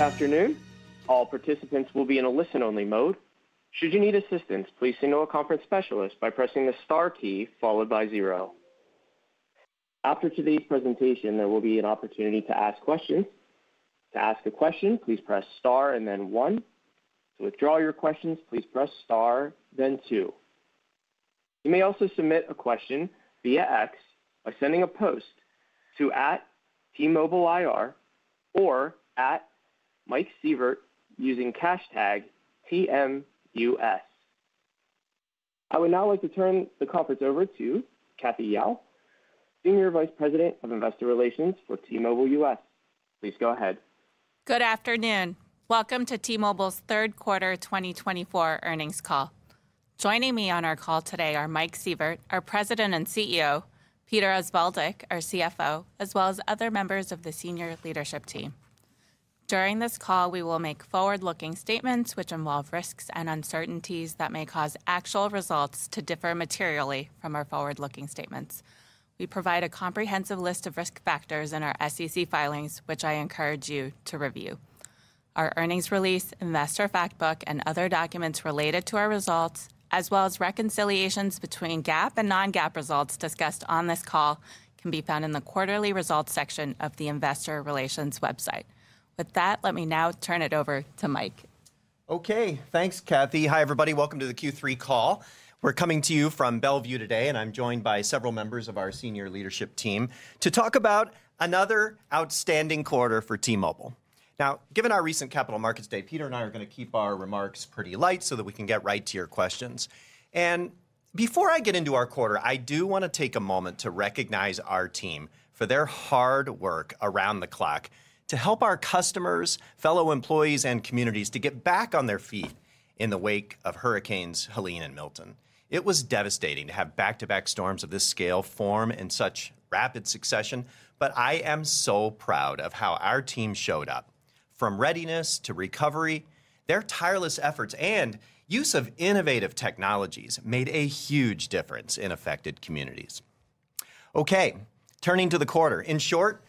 Afternoon. All participants will be in a listen-only mode. Should you need assistance, please signal a conference specialist by pressing the star key followed by zero. After today's presentation, there will be an opportunity to ask questions. To ask a question, please press star and then one. To withdraw your questions, please press star, then two. You may also submit a question via X by sending a post to @T-MobileIR or @MikeSievert, using hashtag TMUS. I would now like to turn the conference over to Cathy Yao, Senior Vice President of Investor Relations for T-Mobile US. Please go ahead. Good afternoon. Welcome to T-Mobile's Third Quarter 2024 Earnings Call. Joining me on our call today are Mike Sievert, our President and CEO, Peter Osvaldik, our CFO, as well as other members of the senior leadership team. During this call, we will make forward-looking statements which involve risks and uncertainties that may cause actual results to differ materially from our forward-looking statements. We provide a comprehensive list of risk factors in our SEC filings, which I encourage you to review. Our earnings release, investor fact book, and other documents related to our results, as well as reconciliations between GAAP and non-GAAP results discussed on this call, can be found in the Quarterly Results section of the Investor Relations website. With that, let me now turn it over to Mike. Okay, thanks, Cathy. Hi, everybody. Welcome to the Q3 call. We're coming to you from Bellevue today, and I'm joined by several members of our senior leadership team to talk about another outstanding quarter for T-Mobile. Now, given our recent Capital Markets Day, Peter and I are going to keep our remarks pretty light so that we can get right to your questions, and before I get into our quarter, I do want to take a moment to recognize our team for their hard work around the clock to help our customers, fellow employees, and communities to get back on their feet in the wake of hurricanes Helene and Milton. It was devastating to have back-to-back storms of this scale form in such rapid succession, but I am so proud of how our team showed up. From readiness to recovery, their tireless efforts and use of innovative technologies made a huge difference in affected communities. Okay, turning to the quarter. In short,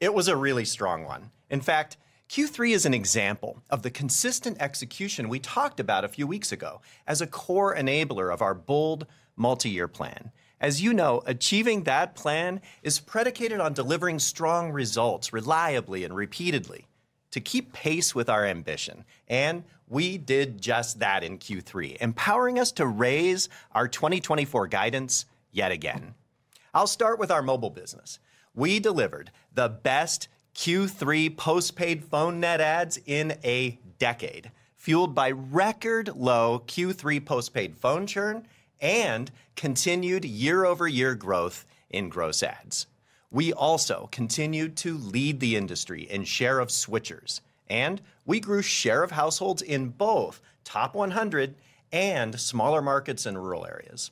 it was a really strong one. In fact, Q3 is an example of the consistent execution we talked about a few weeks ago as a core enabler of our bold multi-year plan. As you know, achieving that plan is predicated on delivering strong results reliably and repeatedly to keep pace with our ambition, and we did just that in Q3, empowering us to raise our 2024 guidance yet again. I'll start with our mobile business. We delivered the best Q3 postpaid phone net adds in a decade, fueled by record low Q3 postpaid phone churn and continued year-over-year growth in gross adds. We also continued to lead the industry in share of switchers, and we grew share of households in both top 100 and smaller markets and rural areas.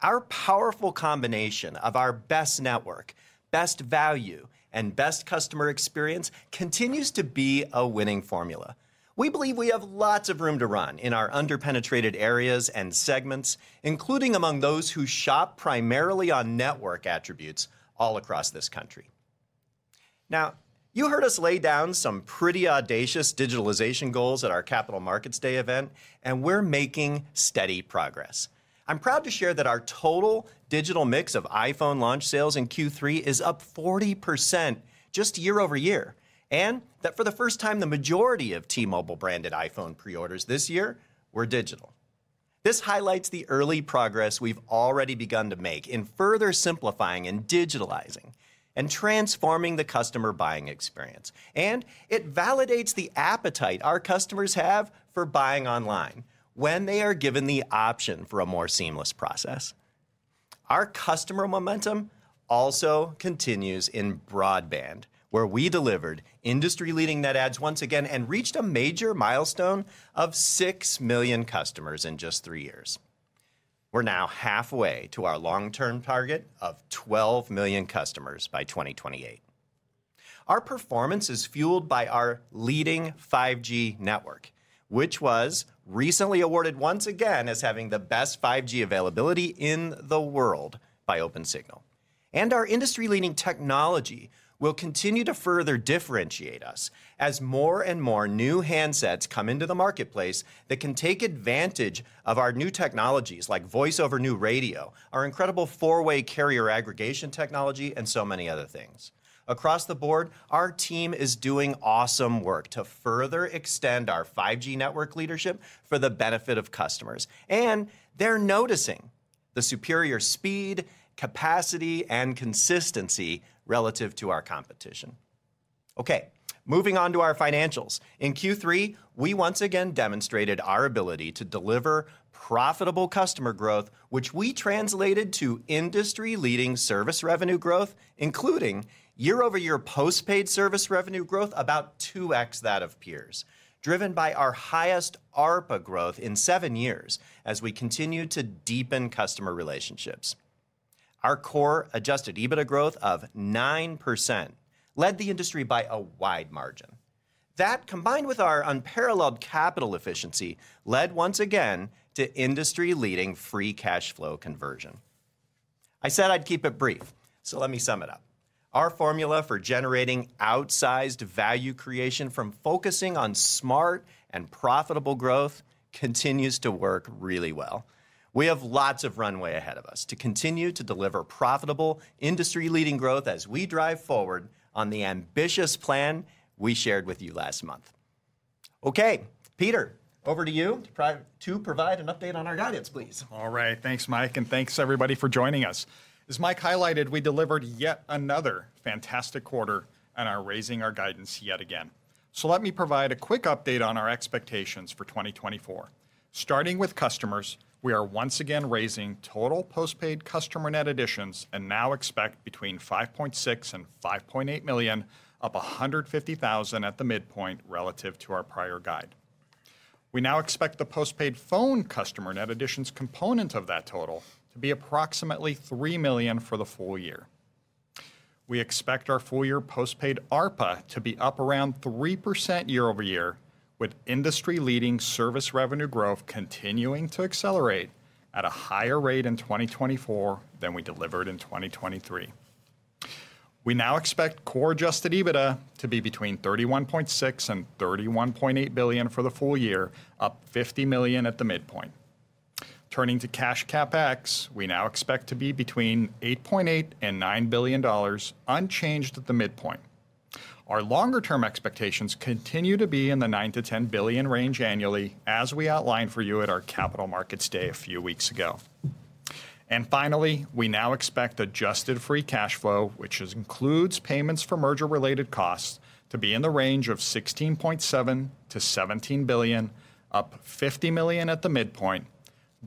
Our powerful combination of our best network, best value, and best customer experience continues to be a winning formula. We believe we have lots of room to run in our under-penetrated areas and segments, including among those who shop primarily on network attributes all across this country. Now, you heard us lay down some pretty audacious digitalization goals at our Capital Markets Day event, and we're making steady progress. I'm proud to share that our total digital mix of iPhone launch sales in Q3 is up 40% just year-over-year, and that for the first time, the majority of T-Mobile-branded iPhone pre-orders this year were digital. This highlights the early progress we've already begun to make in further simplifying and digitalizing and transforming the customer buying experience. It validates the appetite our customers have for buying online when they are given the option for a more seamless process. Our customer momentum also continues in broadband, where we delivered industry-leading net adds once again and reached a major milestone of six million customers in just three years. We're now halfway to our long-term target of 12 million customers by 2028. Our performance is fueled by our leading 5G network, which was recently awarded once again as having the best 5G availability in the world by Opensignal. And our industry-leading technology will continue to further differentiate us as more and more new handsets come into the marketplace that can take advantage of our new technologies, like Voice over New Radio, our incredible four-way carrier aggregation technology, and so many other things. Across the board, our team is doing awesome work to further extend our 5G network leadership for the benefit of customers, and they're noticing the superior speed, capacity, and consistency relative to our competition. Okay, moving on to our financials. In Q3, we once again demonstrated our ability to deliver profitable customer growth, which we translated to industry-leading service revenue growth, including year-over-year postpaid service revenue growth, about 2x that of peers, driven by our highest ARPA growth in seven years as we continue to deepen customer relationships. Our core adjusted EBITDA growth of 9% led the industry by a wide margin. That, combined with our unparalleled capital efficiency, led once again to industry-leading free cash flow conversion. I said I'd keep it brief, so let me sum it up. Our formula for generating outsized value creation from focusing on smart and profitable growth continues to work really well. We have lots of runway ahead of us to continue to deliver profitable, industry-leading growth as we drive forward on the ambitious plan we shared with you last month. Okay, Peter, over to you to provide an update on our guidance, please. All right, thanks, Mike, and thanks, everybody, for joining us. As Mike highlighted, we delivered yet another fantastic quarter and are raising our guidance yet again. Let me provide a quick update on our expectations for 2024. Starting with customers, we are once again raising total postpaid customer net additions and now expect between 5.6 and 5.8 million, up 150,000 at the midpoint relative to our prior guide. We now expect the postpaid phone customer net additions component of that total to be approximately 3 million for the full year. We expect our full-year postpaid ARPA to be up around 3% year-over-year, with industry-leading service revenue growth continuing to accelerate at a higher rate in 2024 than we delivered in 2023. We now expect core adjusted EBITDA to be between $31.6 billion and $31.8 billion for the full year, up $50 million at the midpoint. Turning to cash CapEx, we now expect to be between $8.8 billion and $9 billion, unchanged at the midpoint. Our longer-term expectations continue to be in the $9 billion-$10 billion range annually, as we outlined for you at our Capital Markets Day a few weeks ago. Finally, we now expect adjusted free cash flow, which includes payments for merger-related costs, to be in the range of $16.7 billion-$17 billion, up $50 million at the midpoint,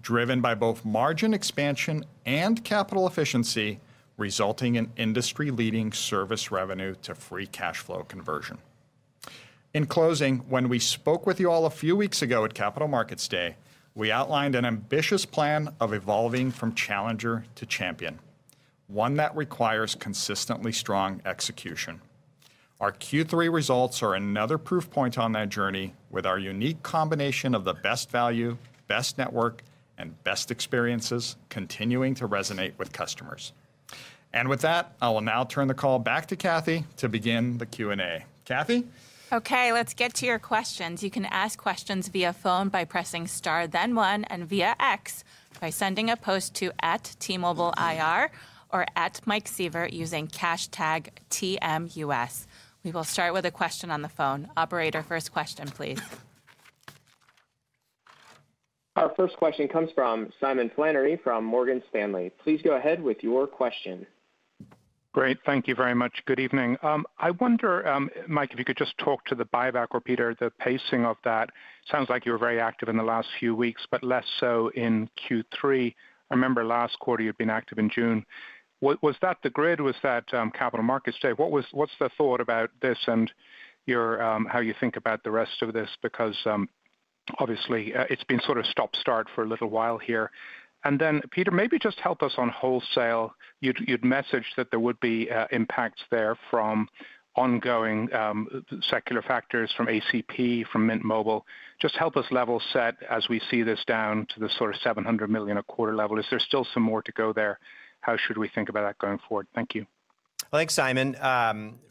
driven by both margin expansion and capital efficiency, resulting in industry-leading service revenue to free cash flow conversion. In closing, when we spoke with you all a few weeks ago at Capital Markets Day, we outlined an ambitious plan of evolving from challenger to champion, one that requires consistently strong execution. Our Q3 results are another proof point on that journey with our unique combination of the best value, best network, and best experiences continuing to resonate with customers. And with that, I will now turn the call back to Cathy to begin the Q&A. Cathy? Okay, let's get to your questions. You can ask questions via phone by pressing Star, then One, and via X by sending a post to @T-MobileIR or @MikeSievert, using hashtag TMUS. We will start with a question on the phone. Operator, first question, please. Our first question comes from Simon Flannery from Morgan Stanley. Please go ahead with your question. Great. Thank you very much. Good evening. I wonder, Mike, if you could just talk to the buyback or, Peter, the pacing of that. Sounds like you were very active in the last few weeks, but less so in Q3. I remember last quarter you'd been active in June. What was that, the grid? Was that Capital Markets Day? What's the thought about this and your how you think about the rest of this? Because, obviously, it's been sort of stop-start for a little while here. And then, Peter, maybe just help us on wholesale. You'd messaged that there would be impacts there from ongoing secular factors, from ACP, from Mint Mobile. Just help us level set as we see this down to the sort of $700 million a quarter level. Is there still some more to go there? How should we think about that going forward? Thank you. Thanks, Simon.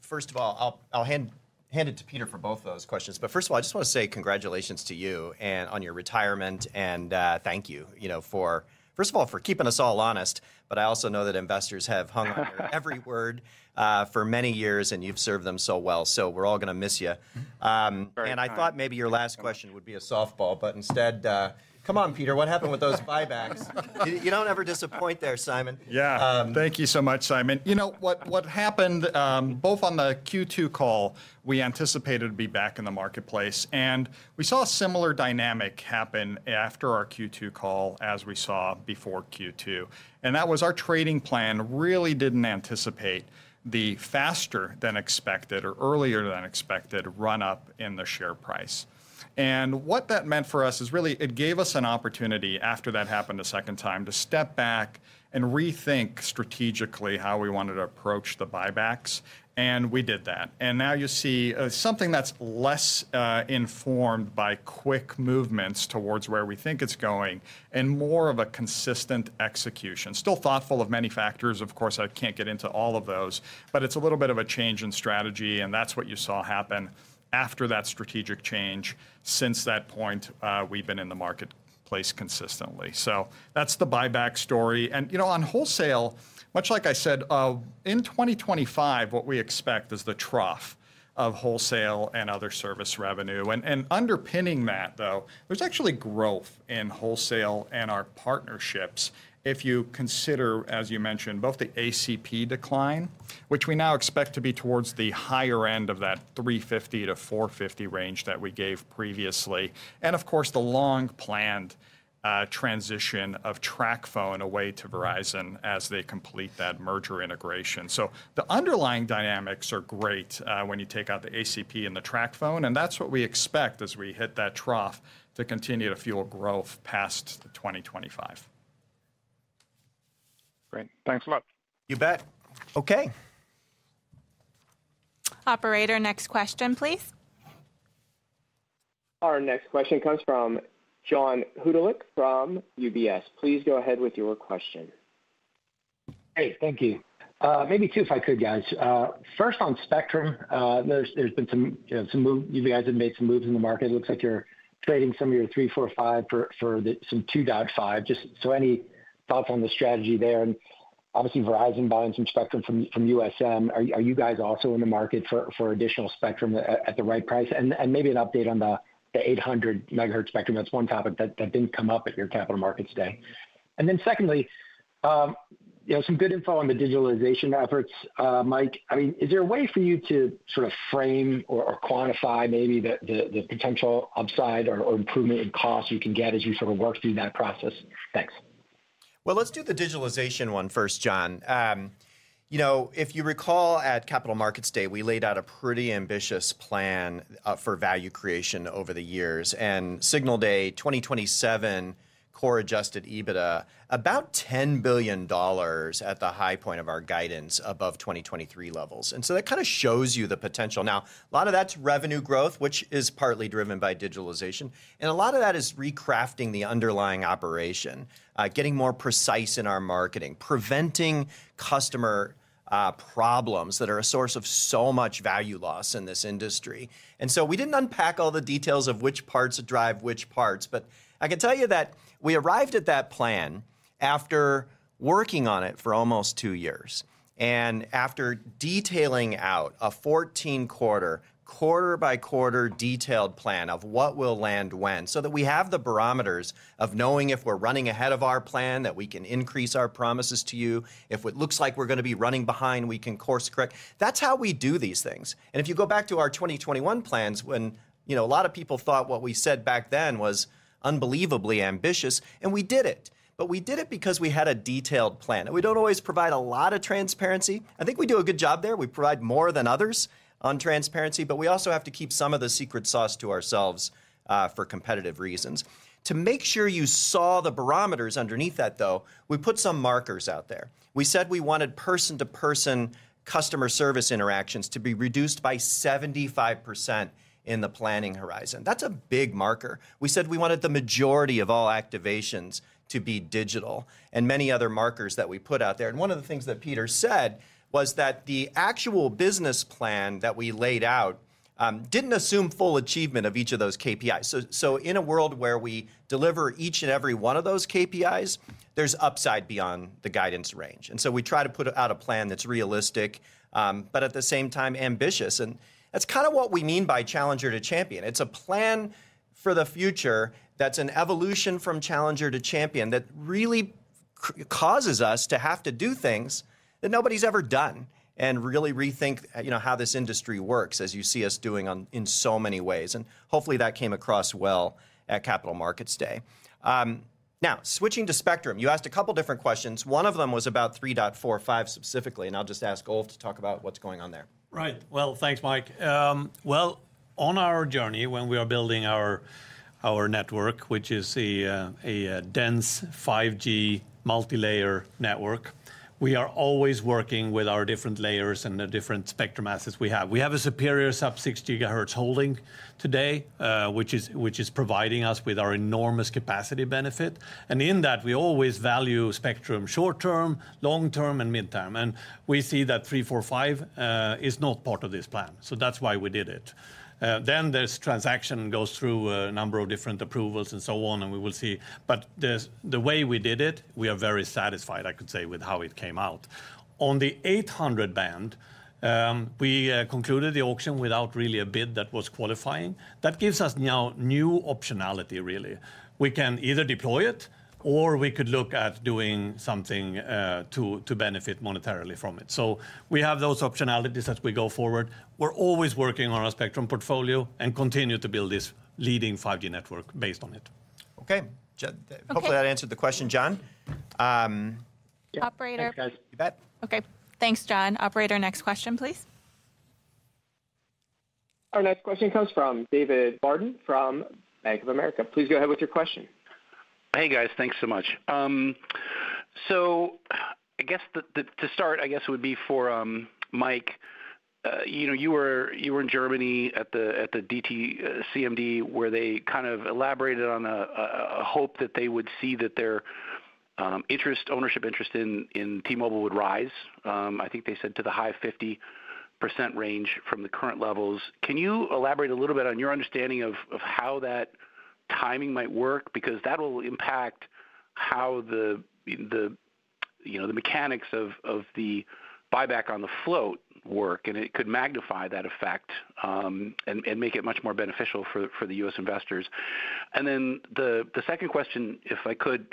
First of all, I'll hand it to Peter for both those questions. But first of all, I just want to say congratulations to you on your retirement, and thank you, you know, first of all for keeping us all honest, but I also know that investors have hung on your every word for many years, and you've served them so well, so we're all going to miss you. Very kind. I thought maybe your last question would be a softball, but instead, come on, Peter, what happened with those buybacks? You don't ever disappoint there, Simon. Yeah. Um- Thank you so much, Simon. You know, what happened, both on the Q2 call, we anticipated to be back in the marketplace, and we saw a similar dynamic happen after our Q2 call, as we saw before Q2. And that was our trading plan, really didn't anticipate the faster than expected or earlier than expected run-up in the share price. And what that meant for us is really it gave us an opportunity, after that happened a second time, to step back and rethink strategically how we wanted to approach the buybacks, and we did that. And now you see, something that's less informed by quick movements towards where we think it's going and more of a consistent execution. Still thoughtful of many factors, of course, I can't get into all of those, but it's a little bit of a change in strategy, and that's what you saw happen after that strategic change. Since that point, we've been in the marketplace consistently, so that's the buyback story, and you know, on wholesale, much like I said, in 2025, what we expect is the trough of wholesale and other service revenue, and underpinning that, though, there's actually growth in wholesale and our partnerships. If you consider, as you mentioned, both the ACP decline, which we now expect to be towards the higher end of that $350-$450 range that we gave previously, and of course, the long-planned transition of TracFone away to Verizon as they complete that merger integration. So the underlying dynamics are great when you take out the ACP and the TracFone, and that's what we expect as we hit that trough to continue to fuel growth past 2025. Great, thanks a lot. You bet. Okay.... Operator, next question, please. Our next question comes from John Hodulik from UBS. Please go ahead with your question. Hey, thank you. Maybe two if I could, guys. First, on Spectrum, there's been some, you know, some moves you guys have made in the market. It looks like you're trading some of your 3.45 for some 2.5. Just so any thoughts on the strategy there? And obviously, Verizon buying some spectrum from USM. Are you guys also in the market for additional spectrum at the right price? And maybe an update on the 800 MHz spectrum. That's one topic that didn't come up at your Capital Markets Day. And then secondly, you know, some good info on the digitalization efforts, Mike. I mean, is there a way for you to sort of frame or, or quantify maybe the, the, the potential upside or, or improvement in costs you can get as you sort of work through that process? Thanks. Let's do the digitalization one first, John. You know, if you recall, at Capital Markets Day, we laid out a pretty ambitious plan for value creation over the years, and in 2027, Core Adjusted EBITDA about $10 billion at the high point of our guidance above 2023 levels, and so that kind of shows you the potential. Now, a lot of that's revenue growth, which is partly driven by digitalization, and a lot of that is recrafting the underlying operation, getting more precise in our marketing, preventing customer problems that are a source of so much value loss in this industry. And so we didn't unpack all the details of which parts drive which parts, but I can tell you that we arrived at that plan after working on it for almost two years, and after detailing out a 14-quarter, quarter-by-quarter detailed plan of what will land when, so that we have the barometers of knowing if we're running ahead of our plan, that we can increase our promises to you. If it looks like we're going to be running behind, we can course-correct. That's how we do these things. And if you go back to our 2021 plans, when, you know, a lot of people thought what we said back then was unbelievably ambitious, and we did it. But we did it because we had a detailed plan, and we don't always provide a lot of transparency. I think we do a good job there. We provide more than others on transparency, but we also have to keep some of the secret sauce to ourselves for competitive reasons. To make sure you saw the barometers underneath that, though, we put some markers out there. We said we wanted person-to-person customer service interactions to be reduced by 75% in the planning horizon. That's a big marker. We said we wanted the majority of all activations to be digital, and many other markers that we put out there. And one of the things that Peter said was that the actual business plan that we laid out didn't assume full achievement of each of those KPIs. So in a world where we deliver each and every one of those KPIs, there's upside beyond the guidance range. And so we try to put out a plan that's realistic, but at the same time, ambitious. That's kind of what we mean by challenger to champion. It's a plan for the future that's an evolution from challenger to champion, that really causes us to have to do things that nobody's ever done and really rethink, you know, how this industry works, as you see us doing in so many ways. Hopefully, that came across well at Capital Markets Day. Now, switching to Spectrum, you asked a couple different questions. One of them was about 3.45 specifically, and I'll just ask Ulf to talk about what's going on there. Right. Well, thanks, Mike. On our journey, when we are building our network, which is a dense 5G multilayer network, we are always working with our different layers and the different spectrum assets we have. We have a superior sub-6 GHz holding today, which is providing us with our enormous capacity benefit. And in that, we always value spectrum short term, long term, and midterm, and we see that 3.45 is not part of this plan, so that's why we did it. Then this transaction goes through a number of different approvals and so on, and we will see. But the way we did it, we are very satisfied, I could say, with how it came out. On the 800 MHz band, we concluded the auction without really a bid that was qualifying. That gives us now new optionality, really. We can either deploy it, or we could look at doing something to benefit monetarily from it. So we have those optionalities as we go forward. We're always working on our spectrum portfolio and continue to build this leading 5G network based on it. Okay. Je- Okay. Hopefully, that answered the question, John. Operator- Thanks, guys. You bet. Okay. Thanks, John. Operator, next question, please. Our next question comes from David Barden from Bank of America. Please go ahead with your question. Hey, guys. Thanks so much. So I guess the to start, I guess, would be for Mike, you know, you were in Germany at the DT CMD, where they kind of elaborated on a hope that they would see that their ownership interest in T-Mobile would rise, I think they said to the high 50% range from the current levels. Can you elaborate a little bit on your understanding of how that timing might work? Because that will impact how the you know, the mechanics of the buyback on the float work, and it could magnify that effect, and make it much more beneficial for the U.S. investors. The second question, if I could,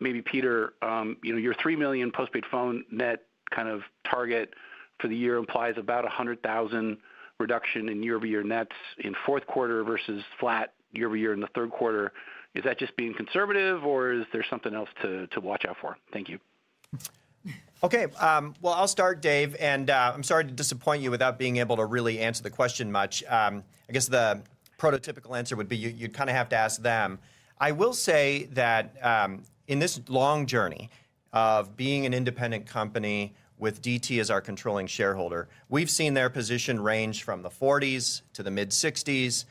maybe Peter, you know, your three million postpaid phone net kind of target for the year implies about a hundred thousand reduction in year-over-year nets in fourth quarter versus flat year-over-year in the third quarter. Is that just being conservative, or is there something else to watch out for? Thank you. Okay, well, I'll start, Dave, and I'm sorry to disappoint you without being able to really answer the question much. I guess the prototypical answer would be you, you'd kind of have to ask them. I will say that in this long journey of being an independent company with DT as our controlling shareholder, we've seen their position range from the forties to the mid-sixties.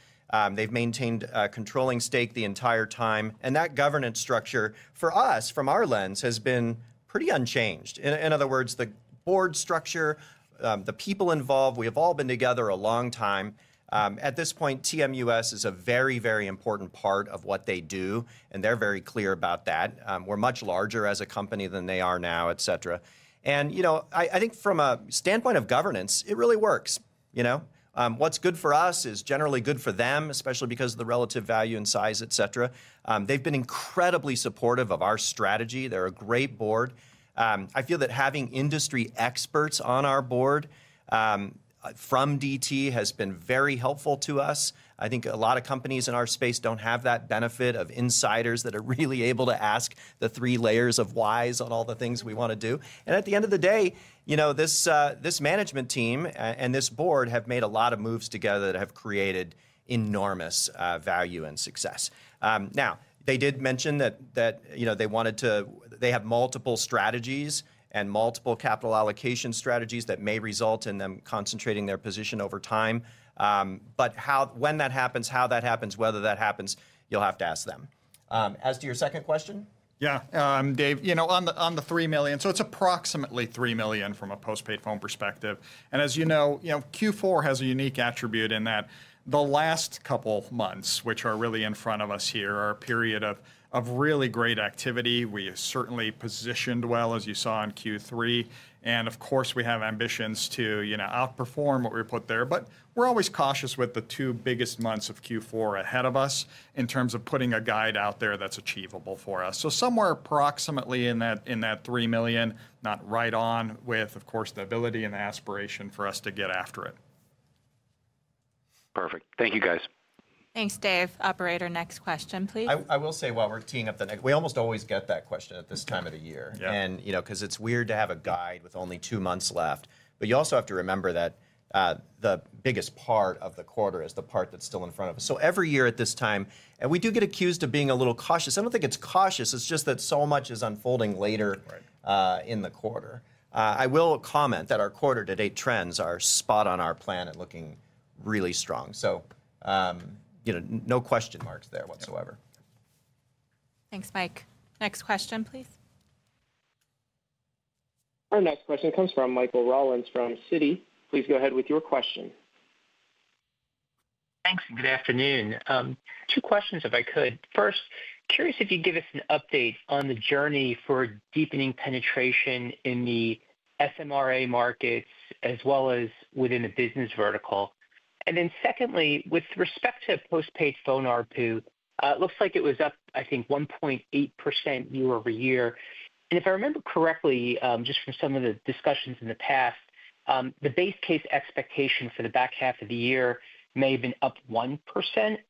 They've maintained a controlling stake the entire time, and that governance structure for us, from our lens, has been pretty unchanged. In other words, the board structure, the people involved, we have all been together a long time. At this point, TMUS is a very, very important part of what they do, and they're very clear about that. We're much larger as a company than they are now, et cetera. And you know, I think from a standpoint of governance, it really works, you know? What's good for us is generally good for them, especially because of the relative value and size, et cetera. They've been incredibly supportive of our strategy. They're a great board. I feel that having industry experts on our board from DT has been very helpful to us. I think a lot of companies in our space don't have that benefit of insiders that are really able to ask the three layers of whys on all the things we want to do. And at the end of the day, you know, this management team and this board have made a lot of moves together that have created enormous value and success. Now, they did mention that, you know, they wanted to... They have multiple strategies and multiple capital allocation strategies that may result in them concentrating their position over time. But when that happens, how that happens, whether that happens, you'll have to ask them. As to your second question? Yeah, Dave, you know, on the three million, so it's approximately three million from a postpaid phone perspective. As you know, Q4 has a unique attribute in that the last couple of months, which are really in front of us here, are a period of really great activity. We certainly positioned well, as you saw in Q3, and of course, we have ambitions to, you know, outperform what we put there. But we're always cautious with the two biggest months of Q4 ahead of us in terms of putting a guide out there that's achievable for us. So somewhere approximately in that three million, not right on, with, of course, the ability and aspiration for us to get after it. Perfect. Thank you, guys. Thanks, Dave. Operator, next question, please. I will say while we're teeing up the next... We almost always get that question at this time of the year. Yeah. You know, 'cause it's weird to have a guidance with only two months left. But you also have to remember that the biggest part of the quarter is the part that's still in front of us. So every year at this time, and we do get accused of being a little cautious. I don't think it's cautious, it's just that so much is unfolding later- Right... in the quarter. I will comment that our quarter-to-date trends are spot on our plan and looking really strong. So, you know, no question marks there whatsoever. Thanks, Mike. Next question, please. Our next question comes from Michael Rollins from Citi. Please go ahead with your question. Thanks, and good afternoon. Two questions, if I could. First, curious if you'd give us an update on the journey for deepening penetration in the SMRA markets as well as within the business vertical, and then secondly, with respect to postpaid phone ARPU, it looks like it was up, I think, 1.8% year-over-year, and if I remember correctly, just from some of the discussions in the past, the base case expectation for the back half of the year may have been up 1%,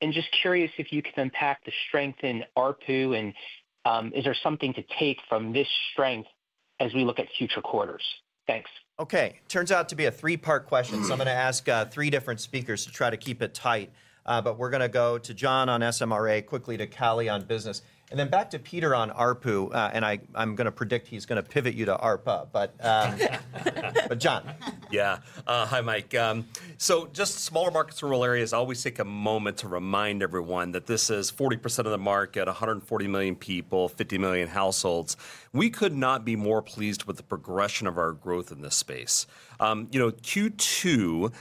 and just curious if you could unpack the strength in ARPU, and, is there something to take from this strength as we look at future quarters? Thanks. Okay. Turns out to be a three-part question- Hmm... so I'm going to ask three different speakers to try to keep it tight. But we're going to go to Jon on SMRA, quickly to Callie on business, and then back to Peter on ARPU, and I'm going to predict he's going to pivot you to ARPA. But Jon. Yeah. Hi, Mike. So just smaller markets, rural areas, I always take a moment to remind everyone that this is 40% of the market, 140 million people, 50 million households. We could not be more pleased with the progression of our growth in this space. You know, Q2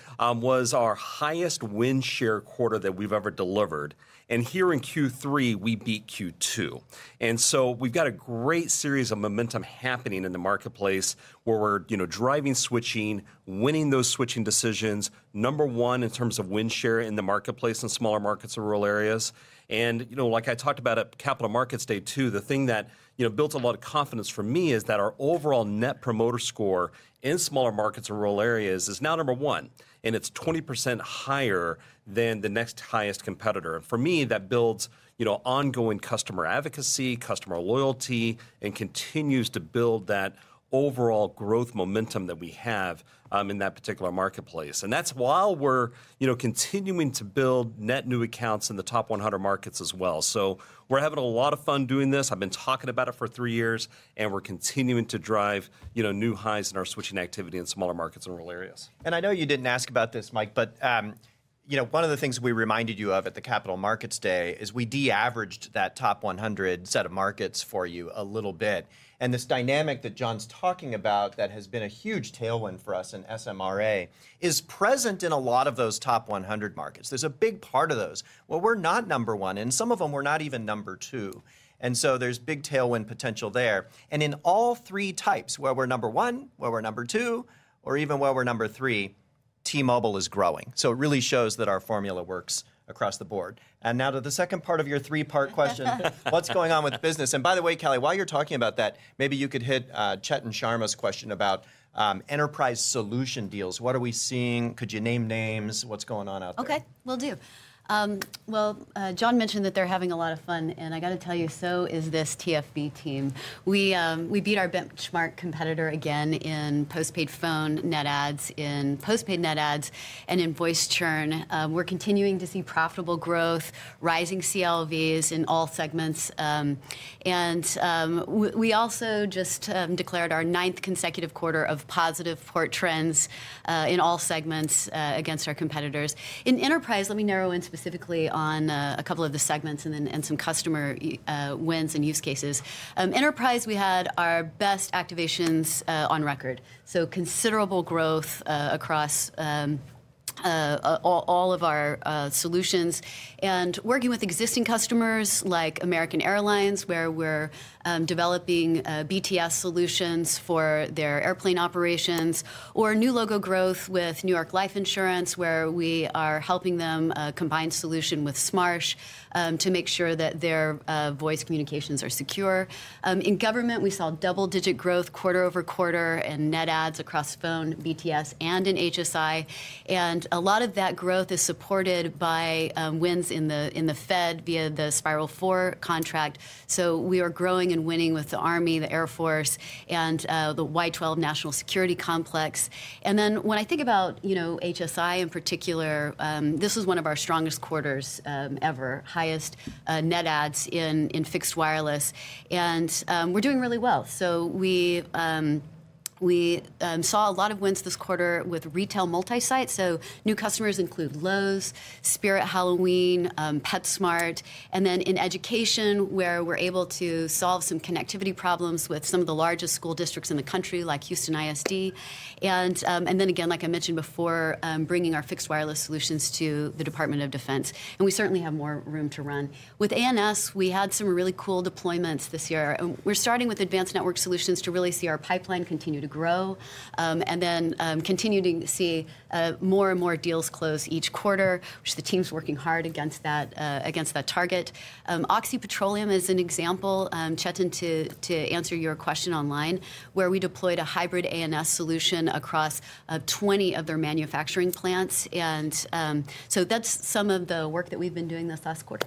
was our highest win share quarter that we've ever delivered, and here in Q3, we beat Q2. And so we've got a great series of momentum happening in the marketplace, where we're, you know, driving, switching, winning those switching decisions, number one, in terms of win share in the marketplace in smaller markets and rural areas. You know, like I talked about at Capital Markets Day, too, the thing that, you know, builds a lot of confidence for me is that our overall Net Promoter Score in Smaller Markets and Rural Areas is now number one, and it's 20% higher than the next highest competitor. For me, that builds, you know, ongoing customer advocacy, customer loyalty, and continues to build that overall growth momentum that we have in that particular marketplace. That's while we're, you know, continuing to build net new accounts in the top 100 markets as well. We're having a lot of fun doing this. I've been talking about it for three years, and we're continuing to drive, you know, new highs in our switching activity in Smaller Markets and Rural Areas. I know you didn't ask about this, Mike, but you know, one of the things we reminded you of at the Capital Markets Day is we de-averaged that top 100 set of markets for you a little bit. This dynamic that Jon's talking about, that has been a huge tailwind for us in SMRA, is present in a lot of those top 100 markets. There's a big part of those where we're not number one, and some of them we're not even number two, and so there's big tailwind potential there. In all three types, where we're number one, where we're number two, or even where we're number three. T-Mobile is growing. It really shows that our formula works across the board. Now to the second part of your three-part question. What's going on with business? And by the way, Callie, while you're talking about that, maybe you could hit Chetan Sharma's question about enterprise solution deals. What are we seeing? Could you name names? What's going on out there? Okay, will do. Well, John mentioned that they're having a lot of fun, and I got to tell you, so is this TFB team. We beat our benchmark competitor again in postpaid phone net adds, in postpaid net adds, and in voice churn. We're continuing to see profitable growth, rising CLVs in all segments, and we also just declared our ninth consecutive quarter of positive port trends in all segments against our competitors. In enterprise, let me narrow in specifically on a couple of the segments and then some customer wins and use cases. Enterprise, we had our best activations on record, so considerable growth across all of our solutions. And working with existing customers like American Airlines, where we're developing BTS solutions for their airplane operations, or new logo growth with New York Life Insurance, where we are helping them a combined solution with Smarsh to make sure that their voice communications are secure. In government, we saw double-digit growth quarter-over-quarter and net adds across phone, BTS, and in HSI. And a lot of that growth is supported by wins in the Fed via the Spiral 4 contract. So we are growing and winning with the Army, the Air Force, and the Y-12 National Security Complex. And then, when I think about, you know, HSI in particular, this is one of our strongest quarters ever. Highest net adds in fixed wireless, and we're doing really well. We saw a lot of wins this quarter with retail multi-site. New customers include Lowe's, Spirit Halloween, PetSmart, and then in education, where we're able to solve some connectivity problems with some of the largest school districts in the country, like Houston ISD. And then again, like I mentioned before, bringing our fixed wireless solutions to the Department of Defense, and we certainly have more room to run. With ANS, we had some really cool deployments this year. And we're starting with Advanced Network Solutions to really see our pipeline continue to grow, and then continuing to see more and more deals close each quarter, which the team's working hard against that target. Oxy Petroleum is an example, Chetan, to answer your question online, where we deployed a hybrid ANS solution across 20 of their manufacturing plants, and so that's some of the work that we've been doing this last quarter.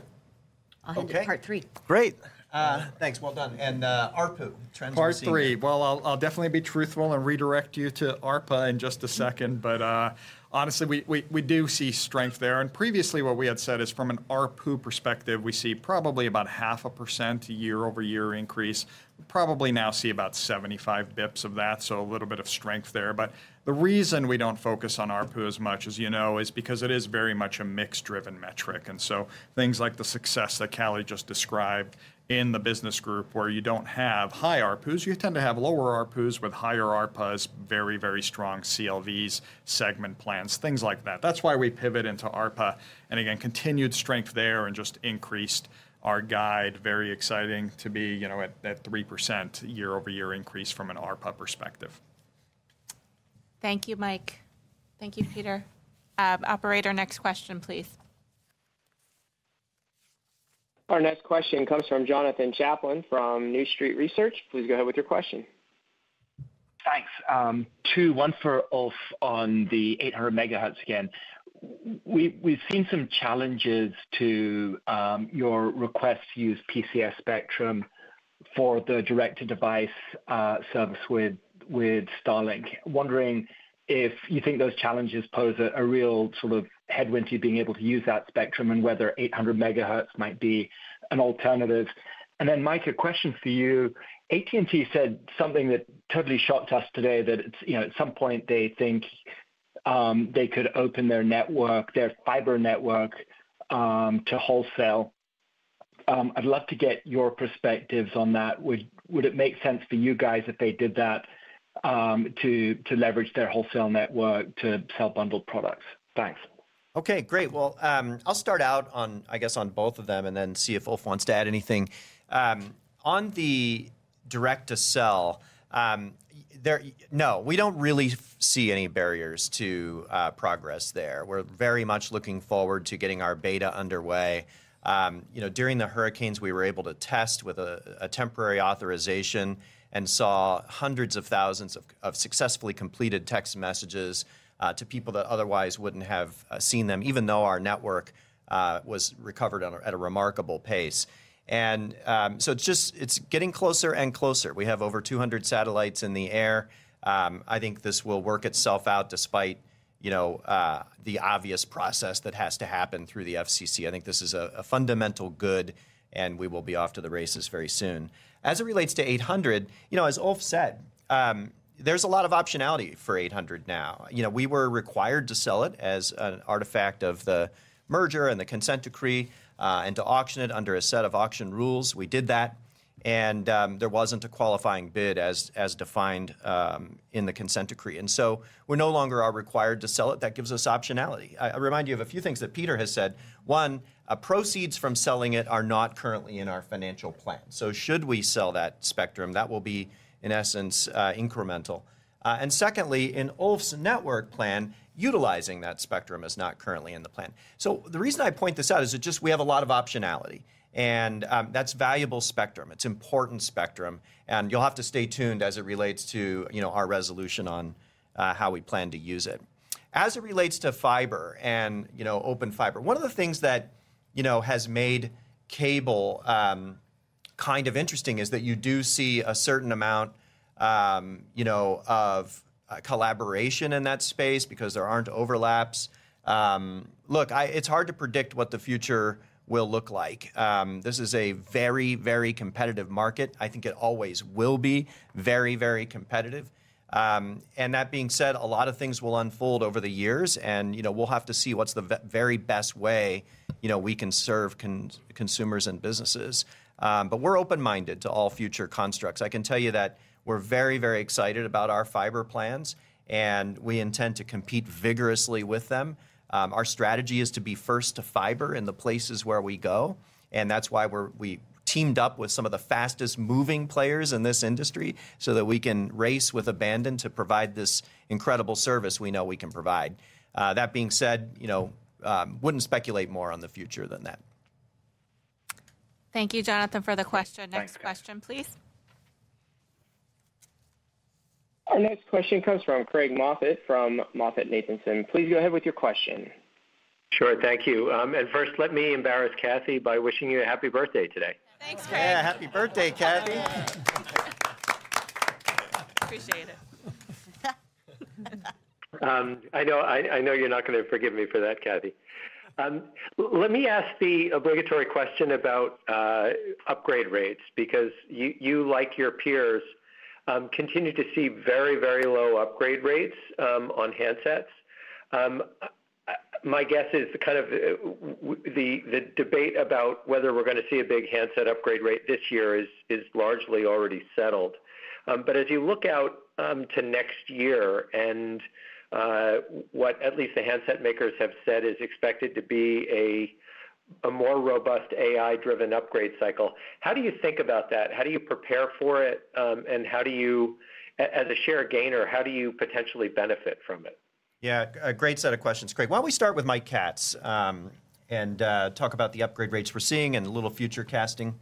I'll hand to part three. Okay. Great. Thanks. Well done. And ARPU trends we're seeing. Part three. Well, I'll definitely be truthful and redirect you to ARPA in just a second, but honestly, we do see strength there. And previously, what we had said is from an ARPU perspective, we see probably about 0.5% year-over-year increase, probably now see about 75 basis points of that, so a little bit of strength there. But the reason we don't focus on ARPU as much, as you know, is because it is very much a mix-driven metric, and so things like the success that Callie just described in the business group, where you don't have high ARPUs, you tend to have lower ARPUs with higher ARPAs, very, very strong CLVs, segment plans, things like that. That's why we pivot into ARPA, and again, continued strength there and just increased our guide. Very exciting to be, you know, at that 3% year-over-year increase from an ARPA perspective. Thank you, Mike. Thank you, Peter. Operator, next question, please. Our next question comes from Jonathan Chaplin from New Street Research. Please go ahead with your question. Thanks. Two, one for Ulf on the 800 MHz again. We've seen some challenges to your request to use PCS spectrum for the direct-to-device service with Starlink. Wondering if you think those challenges pose a real sort of headwind to you being able to use that spectrum and whether 800 MHz might be an alternative? And then, Mike, a question for you. AT&T said something that totally shocked us today, that it's, you know, at some point, they think they could open their network, their fiber network to wholesale. I'd love to get your perspectives on that. Would it make sense for you guys if they did that to leverage their wholesale network to sell bundled products? Thanks. Okay, great. Well, I'll start out on, I guess, on both of them and then see if Ulf wants to add anything. On the direct-to-device, no, we don't really see any barriers to progress there. We're very much looking forward to getting our beta underway. You know, during the hurricanes, we were able to test with a temporary authorization and saw hundreds of thousands of successfully completed text messages to people that otherwise wouldn't have seen them, even though our network was recovered at a remarkable pace. And, so just, it's getting closer and closer. We have over two hundred satellites in the air. I think this will work itself out despite, you know, the obvious process that has to happen through the FCC. I think this is a fundamental good, and we will be off to the races very soon. As it relates to 800 you know, as Ulf said, there's a lot of optionality for 800 now. You know, we were required to sell it as an artifact of the merger and the consent decree, and to auction it under a set of auction rules. We did that and there wasn't a qualifying bid as defined in the consent decree, and so we're no longer are required to sell it. That gives us optionality. I remind you of a few things that Peter has said. One, proceeds from selling it are not currently in our financial plan, so should we sell that spectrum, that will be, in essence, incremental. Secondly, in Ulf's network plan, utilizing that spectrum is not currently in the plan. So the reason I point this out is that just we have a lot of optionality, and that's valuable spectrum. It's important spectrum, and you'll have to stay tuned as it relates to, you know, our resolution on how we plan to use it. As it relates to fiber and, you know, open fiber, one of the things that, you know, has made cable kind of interesting is that you do see a certain amount, you know, of collaboration in that space because there aren't overlaps. Look, it's hard to predict what the future will look like. This is a very, very competitive market. I think it always will be very, very competitive. And that being said, a lot of things will unfold over the years, and, you know, we'll have to see what's the very best way, you know, we can serve consumers and businesses. But we're open-minded to all future constructs. I can tell you that we're very, very excited about our fiber plans, and we intend to compete vigorously with them. Our strategy is to be first to fiber in the places where we go, and that's why we teamed up with some of the fastest-moving players in this industry, so that we can race with abandon to provide this incredible service we know we can provide. That being said, you know, wouldn't speculate more on the future than that. Thank you, Jonathan, for the question. Thanks. Next question, please. Our next question comes from Craig Moffett from MoffettNathanson. Please go ahead with your question. Sure. Thank you, and first, let me embarrass Cathy by wishing you a happy birthday today. Thanks, Craig. Hey, happy birthday, Cathy. Appreciate it. I know you're not gonna forgive me for that, Cathy. Let me ask the obligatory question about upgrade rates because you, like your peers, continue to see very, very low upgrade rates on handsets. My guess is kind of the debate about whether we're gonna see a big handset upgrade rate this year is largely already settled. But as you look out to next year and what at least the handset makers have said is expected to be a more robust AI-driven upgrade cycle, how do you think about that? How do you prepare for it, and how do you as a share gainer potentially benefit from it? Yeah, a great set of questions, Craig. Why don't we start with Mike Katz, and talk about the upgrade rates we're seeing and a little future casting?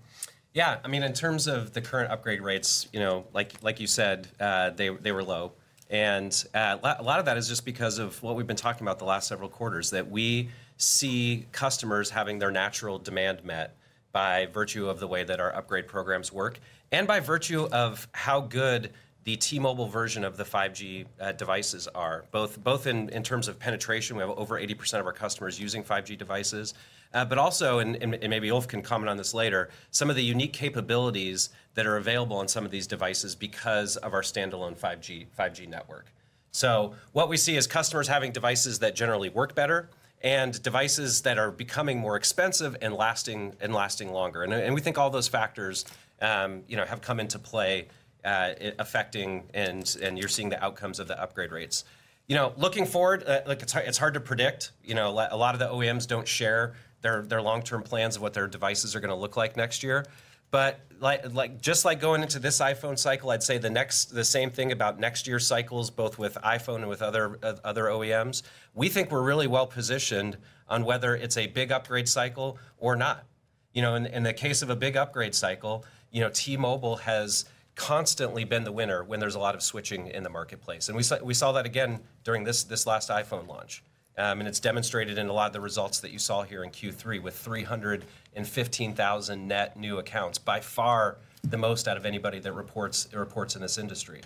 Yeah. I mean, in terms of the current upgrade rates, you know, like you said, they were low, and a lot of that is just because of what we've been talking about the last several quarters, that we see customers having their natural demand met by virtue of the way that our upgrade programs work and by virtue of how good the T-Mobile version of the 5G devices are, both in terms of penetration, we have over 80% of our customers using 5G devices. But also, maybe Ulf can comment on this later, some of the unique capabilities that are available on some of these devices because of our standalone 5G network. So what we see is customers having devices that generally work better and devices that are becoming more expensive and lasting, and lasting longer. And we think all those factors, you know, have come into play, affecting, and you're seeing the outcomes of the upgrade rates. You know, looking forward, like, it's hard to predict. You know, a lot of the OEMs don't share their long-term plans of what their devices are gonna look like next year. But like, just like going into this iPhone cycle, I'd say the same thing about next year's cycles, both with iPhone and with other OEMs. We think we're really well positioned on whether it's a big upgrade cycle or not. You know, in the case of a big upgrade cycle, you know, T-Mobile has constantly been the winner when there's a lot of switching in the marketplace, and we saw that again during this last iPhone launch. And it's demonstrated in a lot of the results that you saw here in Q3 with 315,000 net new accounts, by far, the most out of anybody that reports in this industry.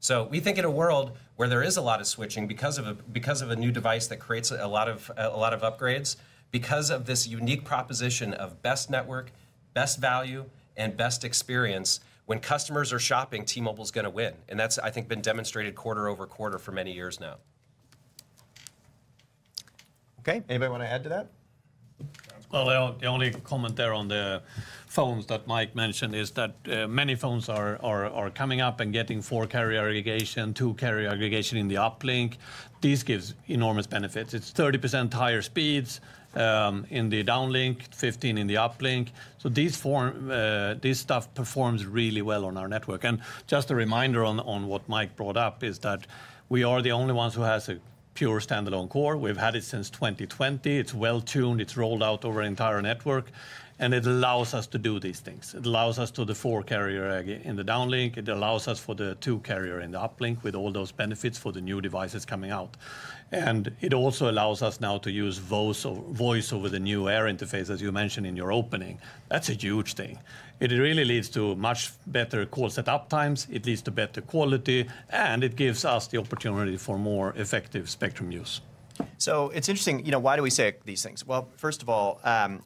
So we think in a world where there is a lot of switching because of a new device that creates a lot of upgrades, because of this unique proposition of best network, best value, and best experience, when customers are shopping, T-Mobile's gonna win, and that's, I think, been demonstrated quarter-over-quarter for many years now. Okay, anybody want to add to that? The only comment there on the phones that Mike mentioned is that many phones are coming up and getting four-carrier aggregation, two-carrier aggregation in the uplink. This gives enormous benefits. It's 30% higher speeds in the downlink, 15% in the uplink. So this stuff performs really well on our network. And just a reminder on what Mike brought up is that we are the only ones who has a pure standalone core. We've had it since 2020. It's well-tuned, it's rolled out over our entire network, and it allows us to do these things. It allows us to do the four-carrier aggregation in the downlink, it allows us for the two-carrier aggregation in the uplink with all those benefits for the new devices coming out. It also allows us now to use voice over new air interface, as you mentioned in your opening. That's a huge thing. It really leads to much better call set-up times, it leads to better quality, and it gives us the opportunity for more effective spectrum use. So it's interesting, you know, why do we say these things? Well, first of all,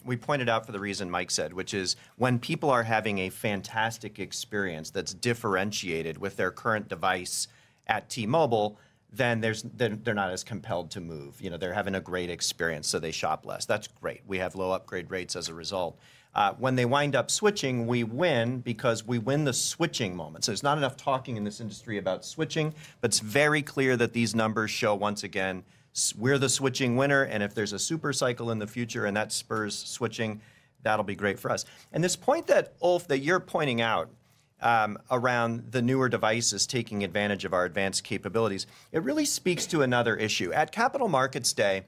we pointed out for the reason Mike said, which is when people are having a fantastic experience that's differentiated with their current device at T-Mobile, then they're not as compelled to move. You know, they're having a great experience, so they shop less. That's great. We have low upgrade rates as a result. When they wind up switching, we win because we win the switching moment. So there's not enough talking in this industry about switching, but it's very clear that these numbers show, once again, we're the switching winner, and if there's a super cycle in the future and that spurs switching, that'll be great for us. And this point that, Ulf, that you're pointing out-... Around the newer devices taking advantage of our advanced capabilities, it really speaks to another issue. At Capital Markets Day,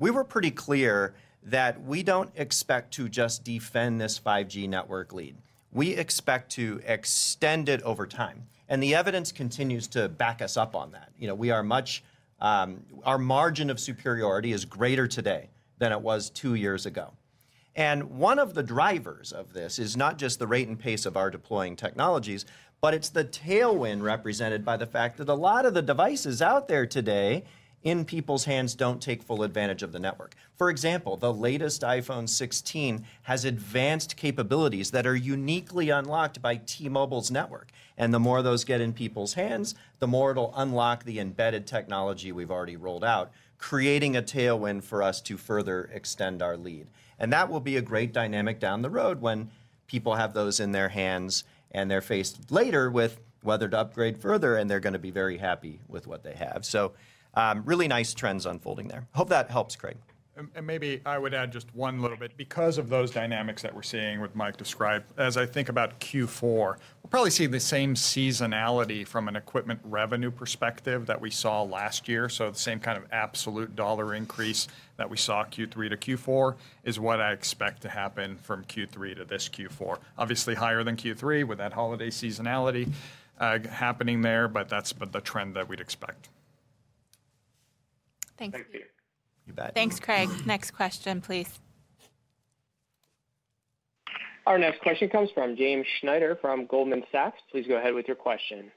we were pretty clear that we don't expect to just defend this 5G network lead. We expect to extend it over time, and the evidence continues to back us up on that. You know, we are much. Our margin of superiority is greater today than it was two years ago. One of the drivers of this is not just the rate and pace of our deploying technologies, but it's the tailwind represented by the fact that a lot of the devices out there today in people's hands don't take full advantage of the network. For example, the latest iPhone 16 has advanced capabilities that are uniquely unlocked by T-Mobile's network, and the more those get in people's hands, the more it'll unlock the embedded technology we've already rolled out, creating a tailwind for us to further extend our lead. And that will be a great dynamic down the road when people have those in their hands, and they're gonna be very happy with what they have. So, really nice trends unfolding there. Hope that helps, Craig. And maybe I would add just one little bit. Because of those dynamics that we're seeing, which Mike described, as I think about Q4, we'll probably see the same seasonality from an equipment revenue perspective that we saw last year. So the same kind of absolute dollar increase that we saw Q3 to Q4 is what I expect to happen from Q3 to this Q4. Obviously, higher than Q3 with that holiday seasonality happening there, but that's the trend that we'd expect. Thank you. You bet. Thanks, Craig. Next question, please. Our next question comes from James Schneider from Goldman Sachs. Please go ahead with your question.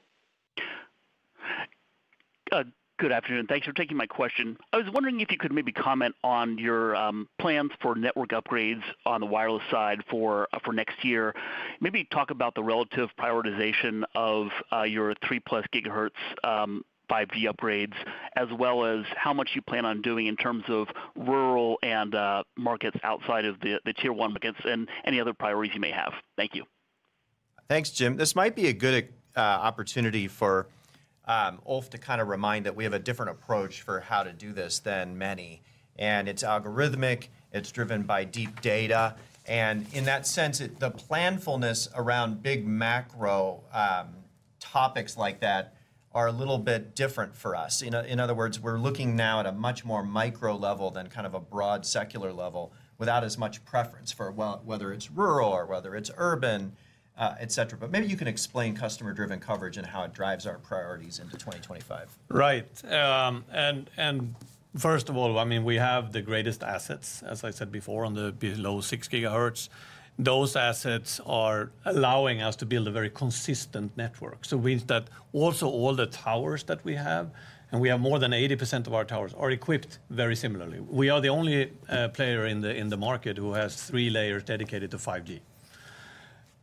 Good afternoon. Thanks for taking my question. I was wondering if you could maybe comment on your plans for network upgrades on the wireless side for next year. Maybe talk about the relative prioritization of your 3+ GHz 5G upgrades, as well as how much you plan on doing in terms of rural and markets outside of the Tier 1 markets and any other priorities you may have. Thank you. Thanks, Jim. This might be a good opportunity for Ulf to kind of remind that we have a different approach for how to do this than many, and it's algorithmic, it's driven by deep data, and in that sense, it, the planfulness around big macro topics like that are a little bit different for us. In other words, we're looking now at a much more micro level than kind of a broad secular level, without as much preference for whether it's rural or whether it's urban, et cetera. But maybe you can explain Customer-Driven Coverage and how it drives our priorities into 2025. Right. And first of all, I mean, we have the greatest assets, as I said before, on the below six gigahertz. Those assets are allowing us to build a very consistent network. So it means that also all the towers that we have, and we have more than 80% of our towers, are equipped very similarly. We are the only player in the market who has three layers dedicated to 5G.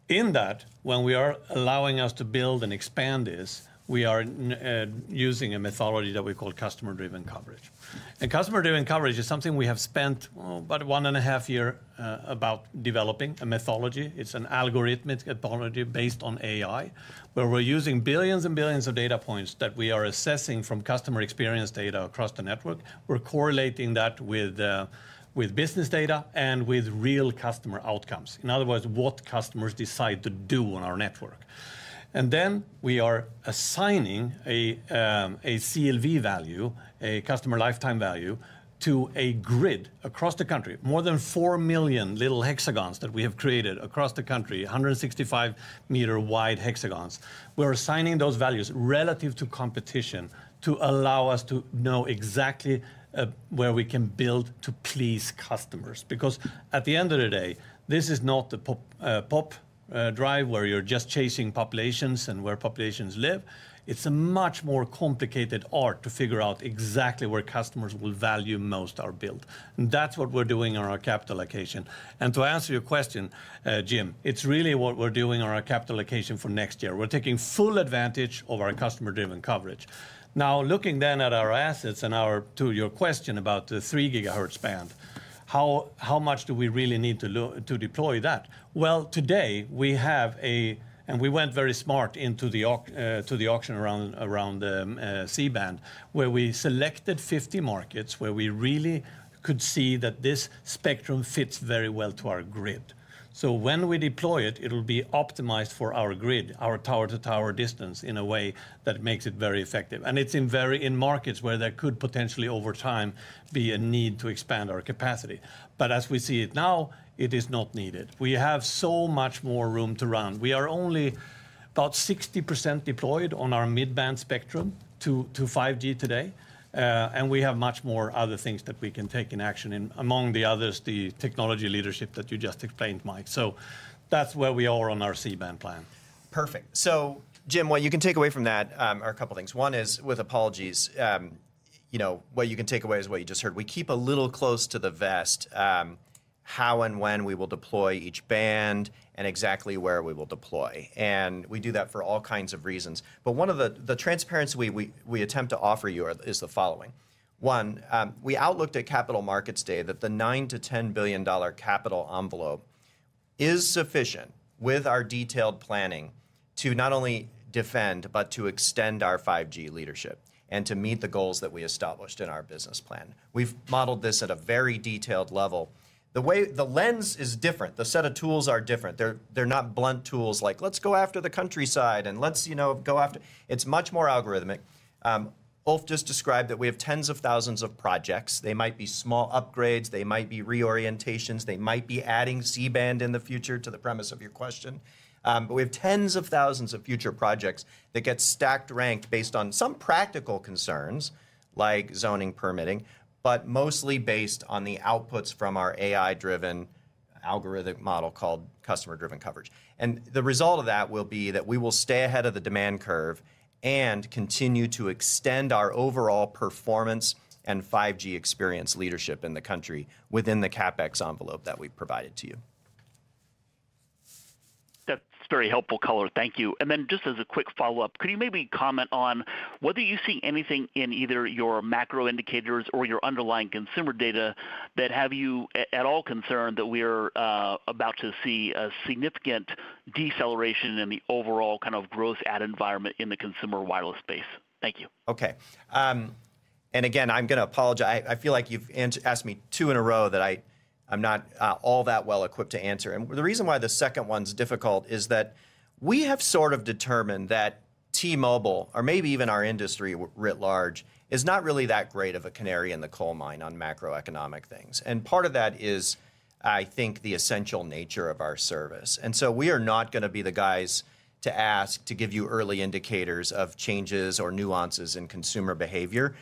In that, when we are allowing us to build and expand this, we are using a methodology that we call Customer-Driven Coverage. And Customer-Driven Coverage is something we have spent about one and a half year about developing a methodology. It's an algorithmic methodology based on AI, where we're using billions and billions of data points that we are assessing from customer experience data across the network. We're correlating that with, with business data and with real customer outcomes, in other words, what customers decide to do on our network. And then we are assigning a, a CLV value, a customer lifetime value, to a grid across the country. More than 4 million little hexagons that we have created across the country, 165-meter wide hexagons. We're assigning those values relative to competition to allow us to know exactly, where we can build to please customers. Because at the end of the day, this is not a pop, pop, drive, where you're just chasing populations and where populations live. It's a much more complicated art to figure out exactly where customers will value most our build. And that's what we're doing on our capital allocation. To answer your question, Jim, it's really what we're doing on our capital allocation for next year. We're taking full advantage of our Customer-Driven Coverage. Now, looking at our assets. To your question about the 3 GHz band, how much do we really need to deploy that? Well, today we went very smart into the auction around the C-band, where we selected 50 markets where we really could see that this spectrum fits very well to our grid. So when we deploy it, it'll be optimized for our grid, our tower-to-tower distance, in a way that makes it very effective, and it's in markets where there could potentially, over time, be a need to expand our capacity, but as we see it now, it is not needed. We have so much more room to run. We are only about 60% deployed on our mid-band spectrum to 5G today, and we have much more other things that we can take in action, and among the others, the technology leadership that you just explained, Mike, so that's where we are on our C-band plan. Perfect. So Jim, what you can take away from that are a couple things. One is, with apologies, you know, what you can take away is what you just heard. We keep a little close to the vest how and when we will deploy each band and exactly where we will deploy, and we do that for all kinds of reasons. But one of the transparency we attempt to offer you is the following: One, we outlooked at Capital Markets Day that the $9 billion-$10 billion capital envelope is sufficient with our detailed planning to not only defend, but to extend our 5G leadership and to meet the goals that we established in our business plan. We've modeled this at a very detailed level. The way the lens is different. The set of tools are different. They're not blunt tools like, "Let's go after the countryside, and let's, you know, go after..." It's much more algorithmic. Ulf just described that we have tens of thousands of projects. They might be small upgrades, they might be reorientations, they might be adding C-band in the future, to the premise of your question. But we have tens of thousands of future projects that get stacked, ranked based on some practical concerns, like zoning, permitting, but mostly based on the outputs from our AI-driven algorithmic model called Customer-Driven Coverage. And the result of that will be that we will stay ahead of the demand curve and continue to extend our overall performance and 5G experience leadership in the country within the CapEx envelope that we've provided to you. That's very helpful color. Thank you. And then just as a quick follow-up, could you maybe comment on whether you see anything in either your macro indicators or your underlying consumer data that have you at all concerned that we're about to see a significant deceleration in the overall kind of gross add environment in the consumer wireless space? Thank you. Okay. And again, I'm gonna apologize. I feel like you've asked me two in a row that I'm not all that well equipped to answer. And the reason why the second one's difficult is that we have sort of determined that T-Mobile, or maybe even our industry writ large, is not really that great of a canary in the coal mine on macroeconomic things. And part of that is, I think, the essential nature of our service. And so we are not gonna be the guys to ask to give you early indicators of changes or nuances in consumer behavior.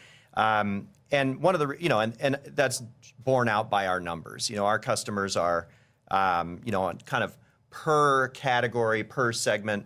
And one of the, you know, and that's borne out by our numbers. You know, our customers are, you know, on kind of per category, per segment,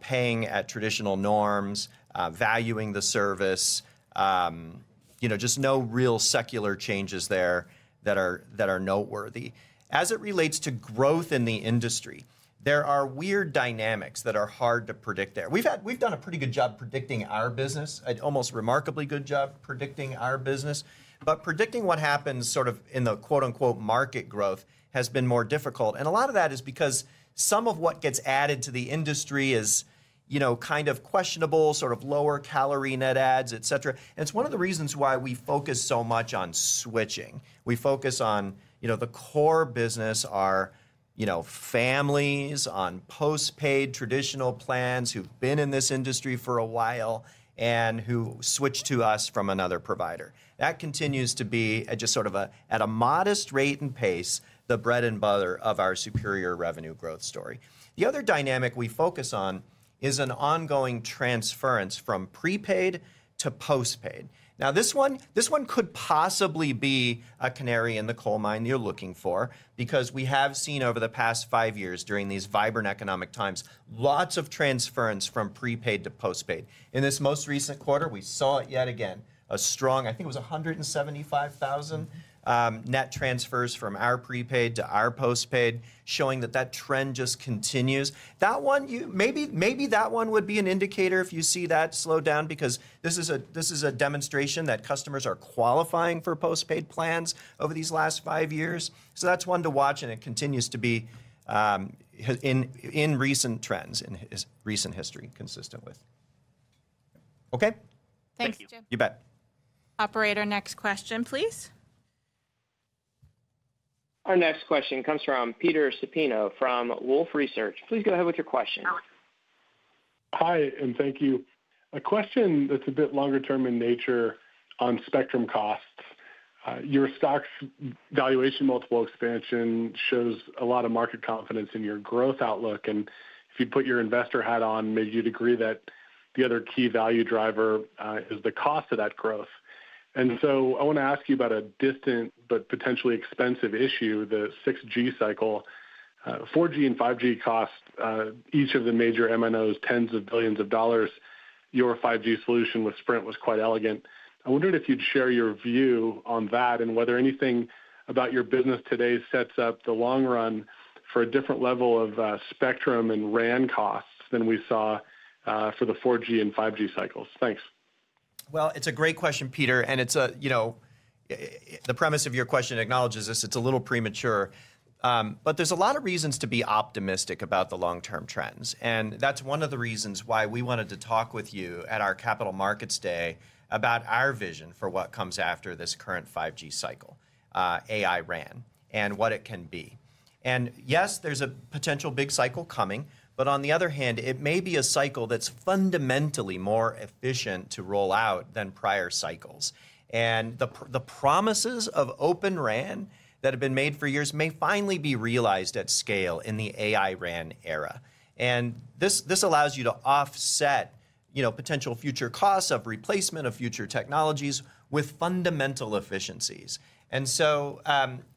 paying at traditional norms, valuing the service, you know, just no real secular changes there that are noteworthy. As it relates to growth in the industry, there are weird dynamics that are hard to predict there. We've done a pretty good job predicting our business, an almost remarkably good job predicting our business. But predicting what happens sort of in the, quote, unquote, "market growth" has been more difficult. And a lot of that is because some of what gets added to the industry is, you know, kind of questionable, sort of lower calorie net adds, et cetera. And it's one of the reasons why we focus so much on switching. We focus on, you know, the core business, our, you know, families on postpaid, traditional plans, who've been in this industry for a while and who switch to us from another provider. That continues to be a just sort of a, at a modest rate and pace, the bread and butter of our superior revenue growth story. The other dynamic we focus on is an ongoing transference from prepaid to postpaid. Now, this one, this one could possibly be a canary in the coal mine you're looking for because we have seen over the past five years, during these vibrant economic times, lots of transference from prepaid to postpaid. In this most recent quarter, we saw it yet again, a strong... I think it was a hundred and seventy-five thousand net transfers from our prepaid to our postpaid, showing that that trend just continues. That one, maybe that one would be an indicator if you see that slow down, because this is a demonstration that customers are qualifying for postpaid plans over these last five years. So that's one to watch, and it continues to be in recent trends, in recent history, consistent with. Okay? Thank you. You bet. Operator, next question, please. Our next question comes from Peter Supino, from Wolfe Research. Please go ahead with your question. Hi, and thank you. A question that's a bit longer term in nature on spectrum costs. Your stock's valuation multiple expansion shows a lot of market confidence in your growth outlook, and if you put your investor hat on, maybe you'd agree that the other key value driver is the cost of that growth. And so I want to ask you about a distant but potentially expensive issue, the 6G cycle. 4G and 5G cost each of the major MNOs, tens of billions of dollars. Your 5G solution with Sprint was quite elegant. I wondered if you'd share your view on that and whether anything about your business today sets up the long run for a different level of spectrum and RAN costs than we saw for the 4G and 5G cycles. Thanks. It's a great question, Peter, and it's a, you know. The premise of your question acknowledges this; it's a little premature, but there's a lot of reasons to be optimistic about the long-term trends, and that's one of the reasons why we wanted to talk with you at our Capital Markets Day about our vision for what comes after this current 5G cycle, AI-RAN, and what it can be. Yes, there's a potential big cycle coming, but on the other hand, it may be a cycle that's fundamentally more efficient to roll out than prior cycles. The promises of Open RAN that have been made for years may finally be realized at scale in the AI-RAN era. This allows you to offset, you know, potential future costs of replacement of future technologies with fundamental efficiencies. And so,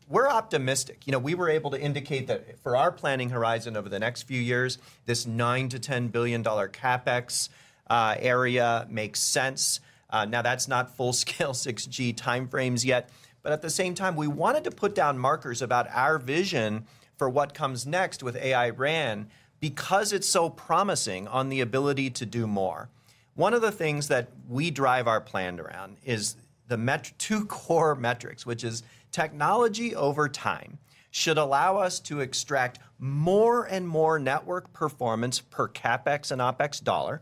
we're optimistic. You know, we were able to indicate that for our planning horizon over the next few years, this $9-$10 billion CapEx area makes sense. Now, that's not full-scale 6G time frames yet, but at the same time, we wanted to put down markers about our vision for what comes next with AI-RAN because it's so promising on the ability to do more. One of the things that we drive our plan around is the two core metrics, which is: technology over time should allow us to extract more and more network performance per CapEx and OpEx dollar...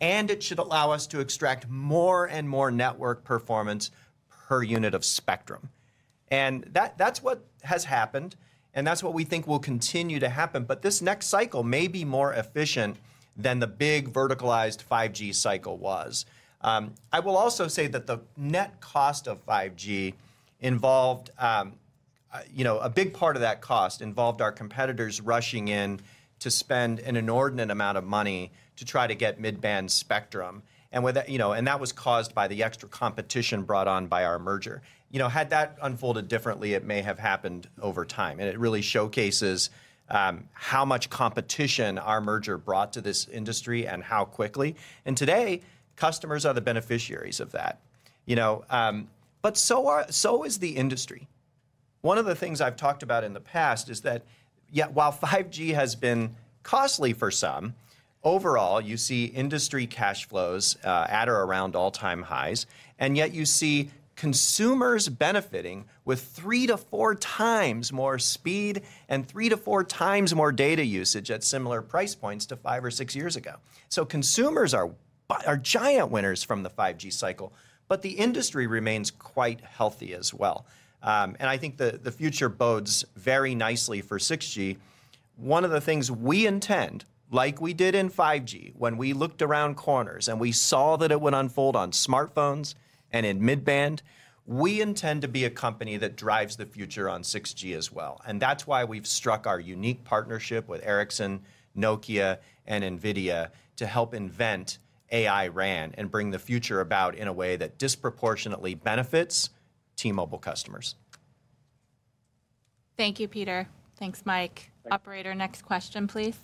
and it should allow us to extract more and more network performance per unit of spectrum. And that, that's what has happened, and that's what we think will continue to happen. But this next cycle may be more efficient than the big verticalized 5G cycle was. I will also say that the net cost of 5G involved, you know, a big part of that cost involved our competitors rushing in to spend an inordinate amount of money to try to get mid-band spectrum, and with that, you know, and that was caused by the extra competition brought on by our merger. You know, had that unfolded differently, it may have happened over time, and it really showcases how much competition our merger brought to this industry and how quickly. And today, customers are the beneficiaries of that, you know, but so is the industry. One of the things I've talked about in the past is that, yeah, while 5G has been costly for some, overall, you see industry cash flows at or around all-time highs, and yet you see consumers benefiting with three to four times more speed and three to four times more data usage at similar price points to five or six years ago. So consumers are giant winners from the 5G cycle, but the industry remains quite healthy as well. And I think the future bodes very nicely for 6G. One of the things we intend, like we did in 5G when we looked around corners, and we saw that it would unfold on smartphones and in mid-band, we intend to be a company that drives the future on 6G as well, and that's why we've struck our unique partnership with Ericsson, Nokia, and NVIDIA to help invent AI-RAN and bring the future about in a way that disproportionately benefits T-Mobile customers. Thank you, Peter. Thanks, Mike. Thank you. Operator, next question, please.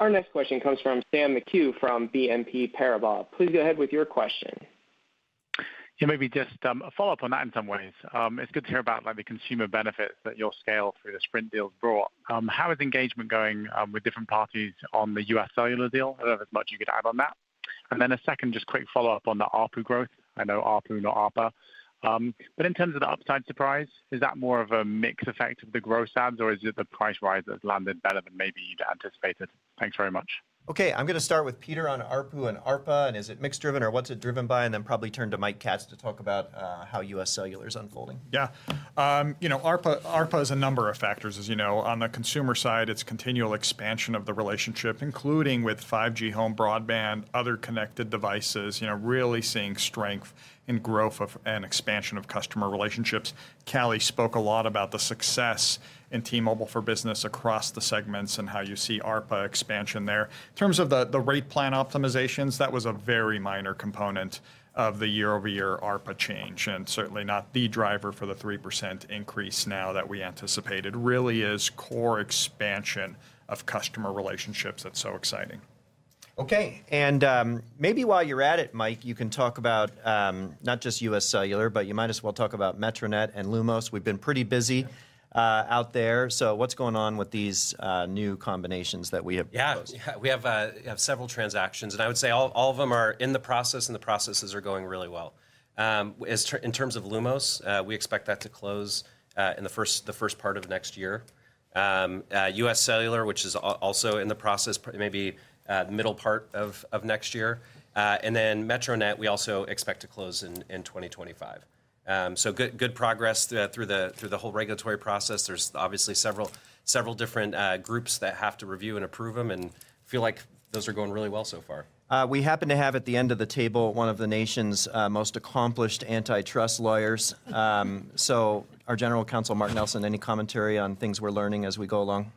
Our next question comes from Sam McHugh from BNP Paribas. Please go ahead with your question. Yeah, maybe just a follow-up on that in some ways. It's good to hear about, like, the consumer benefits that your scale through the Sprint deal brought. How is engagement going with different parties on the UScellular deal? I don't know, as much you could add on that. And then a second, just quick follow-up on the ARPU growth. I know ARPU, not ARPA. But in terms of the upside surprise, is that more of a mixed effect of the gross adds, or is it the price rise that's landed better than maybe you'd anticipated? Thanks very much. Okay, I'm going to start with Peter on ARPU and ARPA, and is it mixed driven, or what's it driven by? And then probably turn to Mike Katz to talk about how UScellular is unfolding. Yeah. You know, ARPA is a number of factors, as you know. On the consumer side, it's continual expansion of the relationship, including with 5G home broadband, other connected devices, you know, really seeing strength and growth of and expansion of customer relationships. Callie spoke a lot about the success in T-Mobile for Business across the segments and how you see ARPA expansion there. In terms of the rate plan optimizations, that was a very minor component of the year-over-year ARPA change, and certainly not the driver for the 3% increase now that we anticipated. Really is core expansion of customer relationships that's so exciting. Okay, and, maybe while you're at it, Mike, you can talk about, not just UScellular, but you might as well talk about Metronet and Lumos. We've been pretty busy- Yeah. out there. So what's going on with these new combinations that we have posted? Yeah. Yeah, we have several transactions, and I would say all of them are in the process, and the processes are going really well. In terms of Lumos, we expect that to close in the first part of next year. UScellular, which is also in the process, maybe the middle part of next year. And then Metronet, we also expect to close in 2025. So good progress through the whole regulatory process. There's obviously several different groups that have to review and approve them, and feel like those are going really well so far. We happen to have, at the end of the table, one of the nation's most accomplished antitrust lawyers, so our General Counsel, Mark Nelson, any commentary on things we're learning as we go along?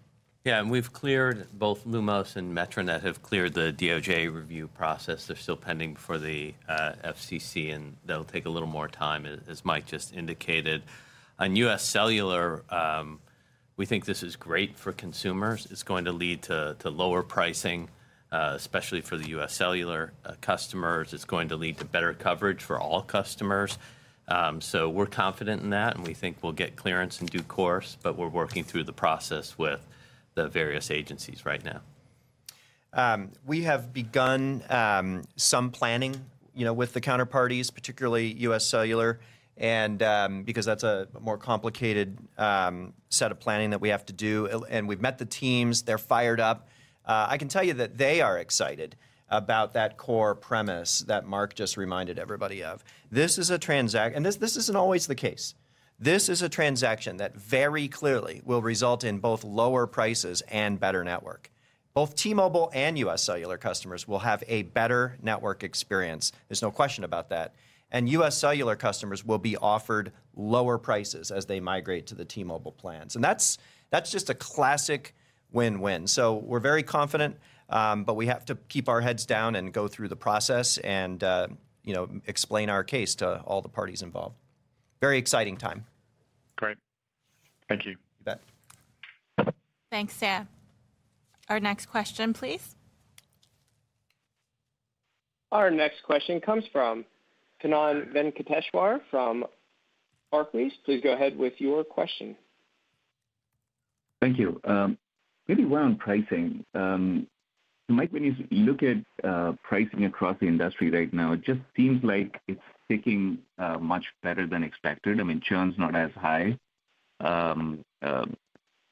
Yeah, and both Lumos and Metronet have cleared the DOJ review process. They're still pending for the FCC, and that'll take a little more time, as Mike just indicated. On UScellular, we think this is great for consumers. It's going to lead to lower pricing, especially for the UScellular customers. It's going to lead to better coverage for all customers. So we're confident in that, and we think we'll get clearance in due course, but we're working through the process with the various agencies right now. We have begun some planning, you know, with the counterparties, particularly UScellular, and because that's a more complicated set of planning that we have to do. And we've met the teams. They're fired up. I can tell you that they are excited about that core premise that Mark just reminded everybody of. This is a transaction, and this, this isn't always the case. This is a transaction that very clearly will result in both lower prices and better network. Both T-Mobile and UScellular customers will have a better network experience. There's no question about that. And UScellular customers will be offered lower prices as they migrate to the T-Mobile plans. And that's, that's just a classic win-win. So we're very confident, but we have to keep our heads down and go through the process and, you know, explain our case to all the parties involved. Very exciting time. Great. Thank you. You bet. Thanks, Sam. Our next question, please. Our next question comes from Kannan Venkateshwar from Barclays. Please go ahead with your question. Thank you. Maybe around pricing, Mike, when you look at pricing across the industry right now, it just seems like it's ticking much better than expected. I mean, churn's not as high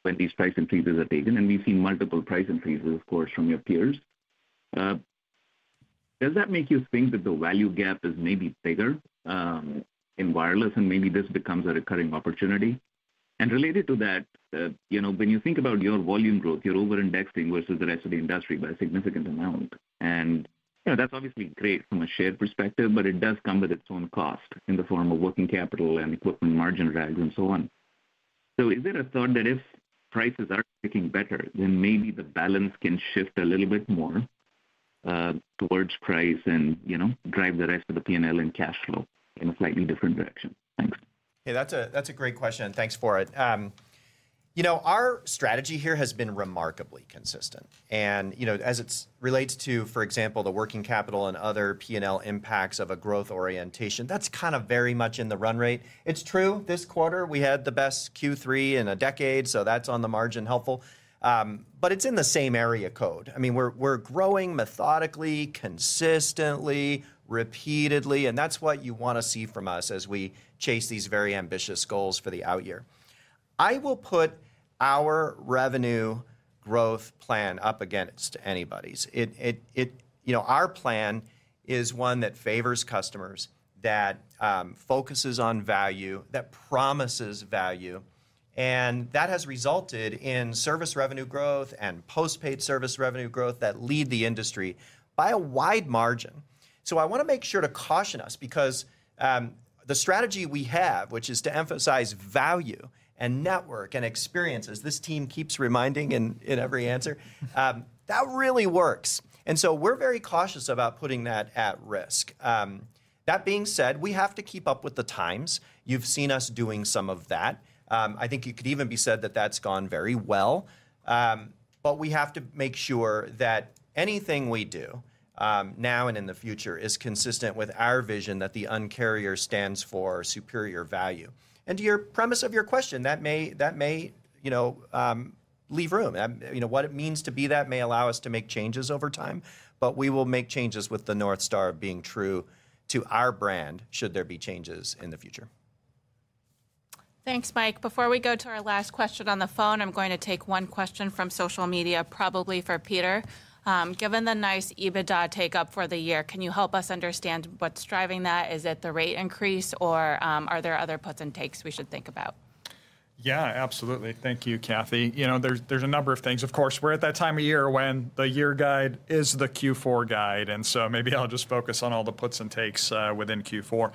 when these price increases are taken, and we've seen multiple price increases, of course, from your peers. Does that make you think that the value gap is maybe bigger in wireless, and maybe this becomes a recurring opportunity? And related to that, you know, when you think about your volume growth, you're over-indexing versus the rest of the industry by a significant amount. And, you know, that's obviously great from a share perspective, but it does come with its own cost in the form of working capital and equipment margin drags and so on. So is there a thought that if prices are getting better, then maybe the balance can shift a little bit more, towards price and, you know, drive the rest of the P&L and cash flow in a slightly different direction? Thanks. Hey, that's a great question, and thanks for it. You know, our strategy here has been remarkably consistent, and, you know, as it relates to, for example, the working capital and other P&L impacts of a growth orientation, that's kind of very much in the run rate. It's true, this quarter, we had the best Q3 in a decade, so that's on the margin helpful. But it's in the same area code. I mean, we're growing methodically, consistently, repeatedly, and that's what you wanna see from us as we chase these very ambitious goals for the out year. I will put our revenue growth plan up against anybody's. It... You know, our plan is one that favors customers, that focuses on value, that promises value, and that has resulted in service revenue growth and postpaid service revenue growth that lead the industry by a wide margin. So I wanna make sure to caution us because the strategy we have, which is to emphasize value and network and experiences, this team keeps reminding in every answer that really works. And so we're very cautious about putting that at risk. That being said, we have to keep up with the times. You've seen us doing some of that. I think it could even be said that that's gone very well. But we have to make sure that anything we do now and in the future is consistent with our vision that the Un-carrier stands for superior value. To your premise of your question, that may, you know, leave room. You know, what it means to be that may allow us to make changes over time, but we will make changes with the North Star being true to our brand, should there be changes in the future. Thanks, Mike. Before we go to our last question on the phone, I'm going to take one question from social media, probably for Peter. "Given the nice EBITDA take up for the year, can you help us understand what's driving that? Is it the rate increase, or, are there other puts and takes we should think about? Yeah, absolutely. Thank you, Cathy. You know, there's a number of things. Of course, we're at that time of year when the year guide is the Q4 guide, and so maybe I'll just focus on all the puts and takes within Q4.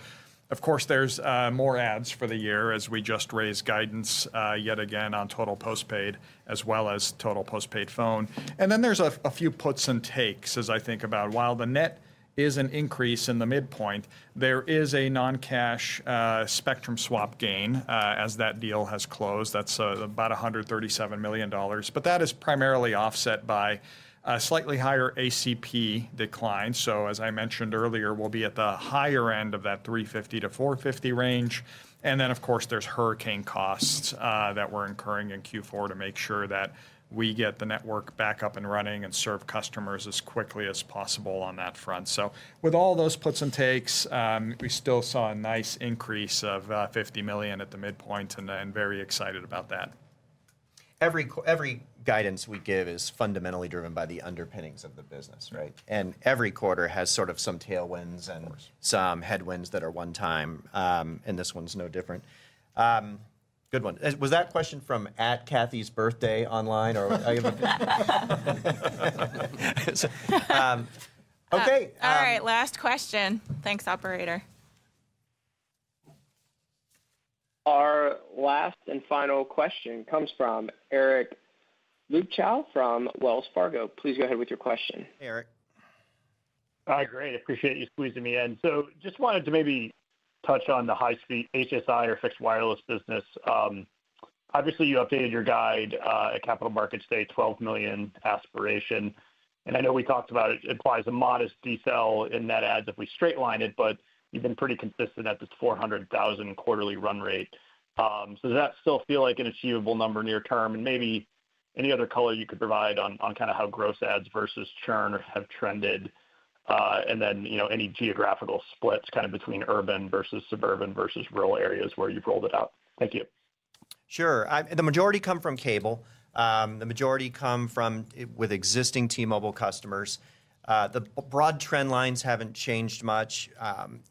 Of course, there's more adds for the year as we just raised guidance yet again on total postpaid, as well as total postpaid phone. And then there's a few puts and takes, as I think about. While the net is an increase in the midpoint, there is a non-cash spectrum swap gain as that deal has closed. That's about $137 million, but that is primarily offset by a slightly higher ACP decline. So as I mentioned earlier, we'll be at the higher end of that 350-450 range. And then, of course, there's hurricane costs that we're incurring in Q4 to make sure that we get the network back up and running and serve customers as quickly as possible on that front. So with all those puts and takes, we still saw a nice increase of $50 million at the midpoint, and I'm very excited about that. Every guidance we give is fundamentally driven by the underpinnings of the business, right? And every quarter has sort of some tailwinds- Of course... and some headwinds that are one time, and this one's no different. Good one. Was that question from @Cathy's birthday online or? Okay. All right, last question. Thanks, operator. Our last and final question comes from Eric Luebchow from Wells Fargo. Please go ahead with your question. Eric. Hi, great. Appreciate you squeezing me in. So just wanted to maybe touch on the high-speed HSI or fixed wireless business. Obviously, you updated your guide at Capital Markets Day, 12 million aspiration. And I know we talked about it, it implies a modest decel in net adds if we straight line it, but you've been pretty consistent at this 400,000 quarterly run rate. So does that still feel like an achievable number near term? And maybe any other color you could provide on kinda how gross adds versus churn have trended, and then, you know, any geographical splits kinda between urban versus suburban versus rural areas where you've rolled it out? Thank you. Sure. The majority come from cable. The majority come from with existing T-Mobile customers. The broad trend lines haven't changed much.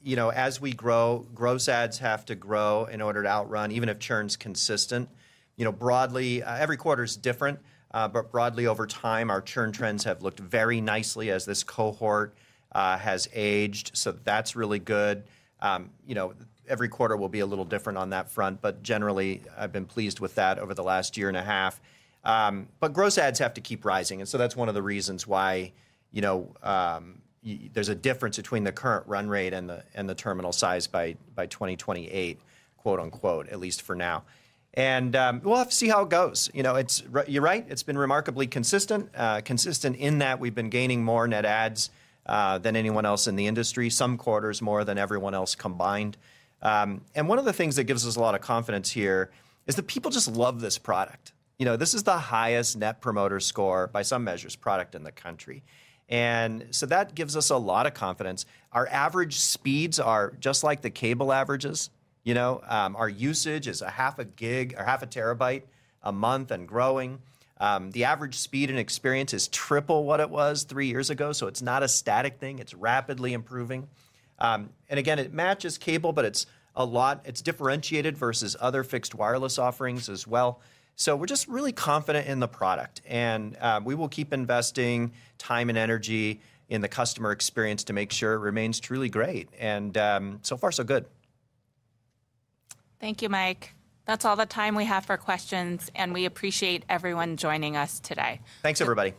You know, as we grow, gross adds have to grow in order to outrun, even if churn's consistent. You know, broadly, every quarter is different, but broadly over time, our churn trends have looked very nicely as this cohort has aged, so that's really good. You know, every quarter will be a little different on that front, but generally, I've been pleased with that over the last year and a half, but gross adds have to keep rising, and so that's one of the reasons why, you know, there's a difference between the current run rate and the terminal size by 2028, quote, unquote, at least for now. And, we'll have to see how it goes. You know, it's... you're right, it's been remarkably consistent in that we've been gaining more net adds than anyone else in the industry, some quarters, more than everyone else combined. And one of the things that gives us a lot of confidence here is that people just love this product. You know, this is the highest Net Promoter Score by some measures, product in the country. And so that gives us a lot of confidence. Our average speeds are just like the cable averages, you know, our usage is a half a gig or half a terabyte a month and growing. The average speed and experience is triple what it was three years ago, so it's not a static thing. It's rapidly improving. And again, it matches cable, but it's differentiated versus other fixed wireless offerings as well. So we're just really confident in the product, and we will keep investing time and energy in the customer experience to make sure it remains truly great, and so far, so good. Thank you, Mike. That's all the time we have for questions, and we appreciate everyone joining us today. Thanks, everybody.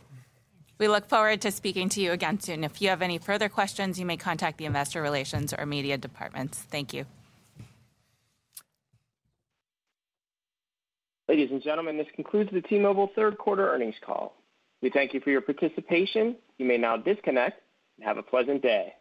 We look forward to speaking to you again soon. If you have any further questions, you may contact the Investor Relations or Media Departments. Thank you. Ladies and gentlemen, this concludes the T-Mobile third quarter earnings call. We thank you for your participation. You may now disconnect and have a pleasant day.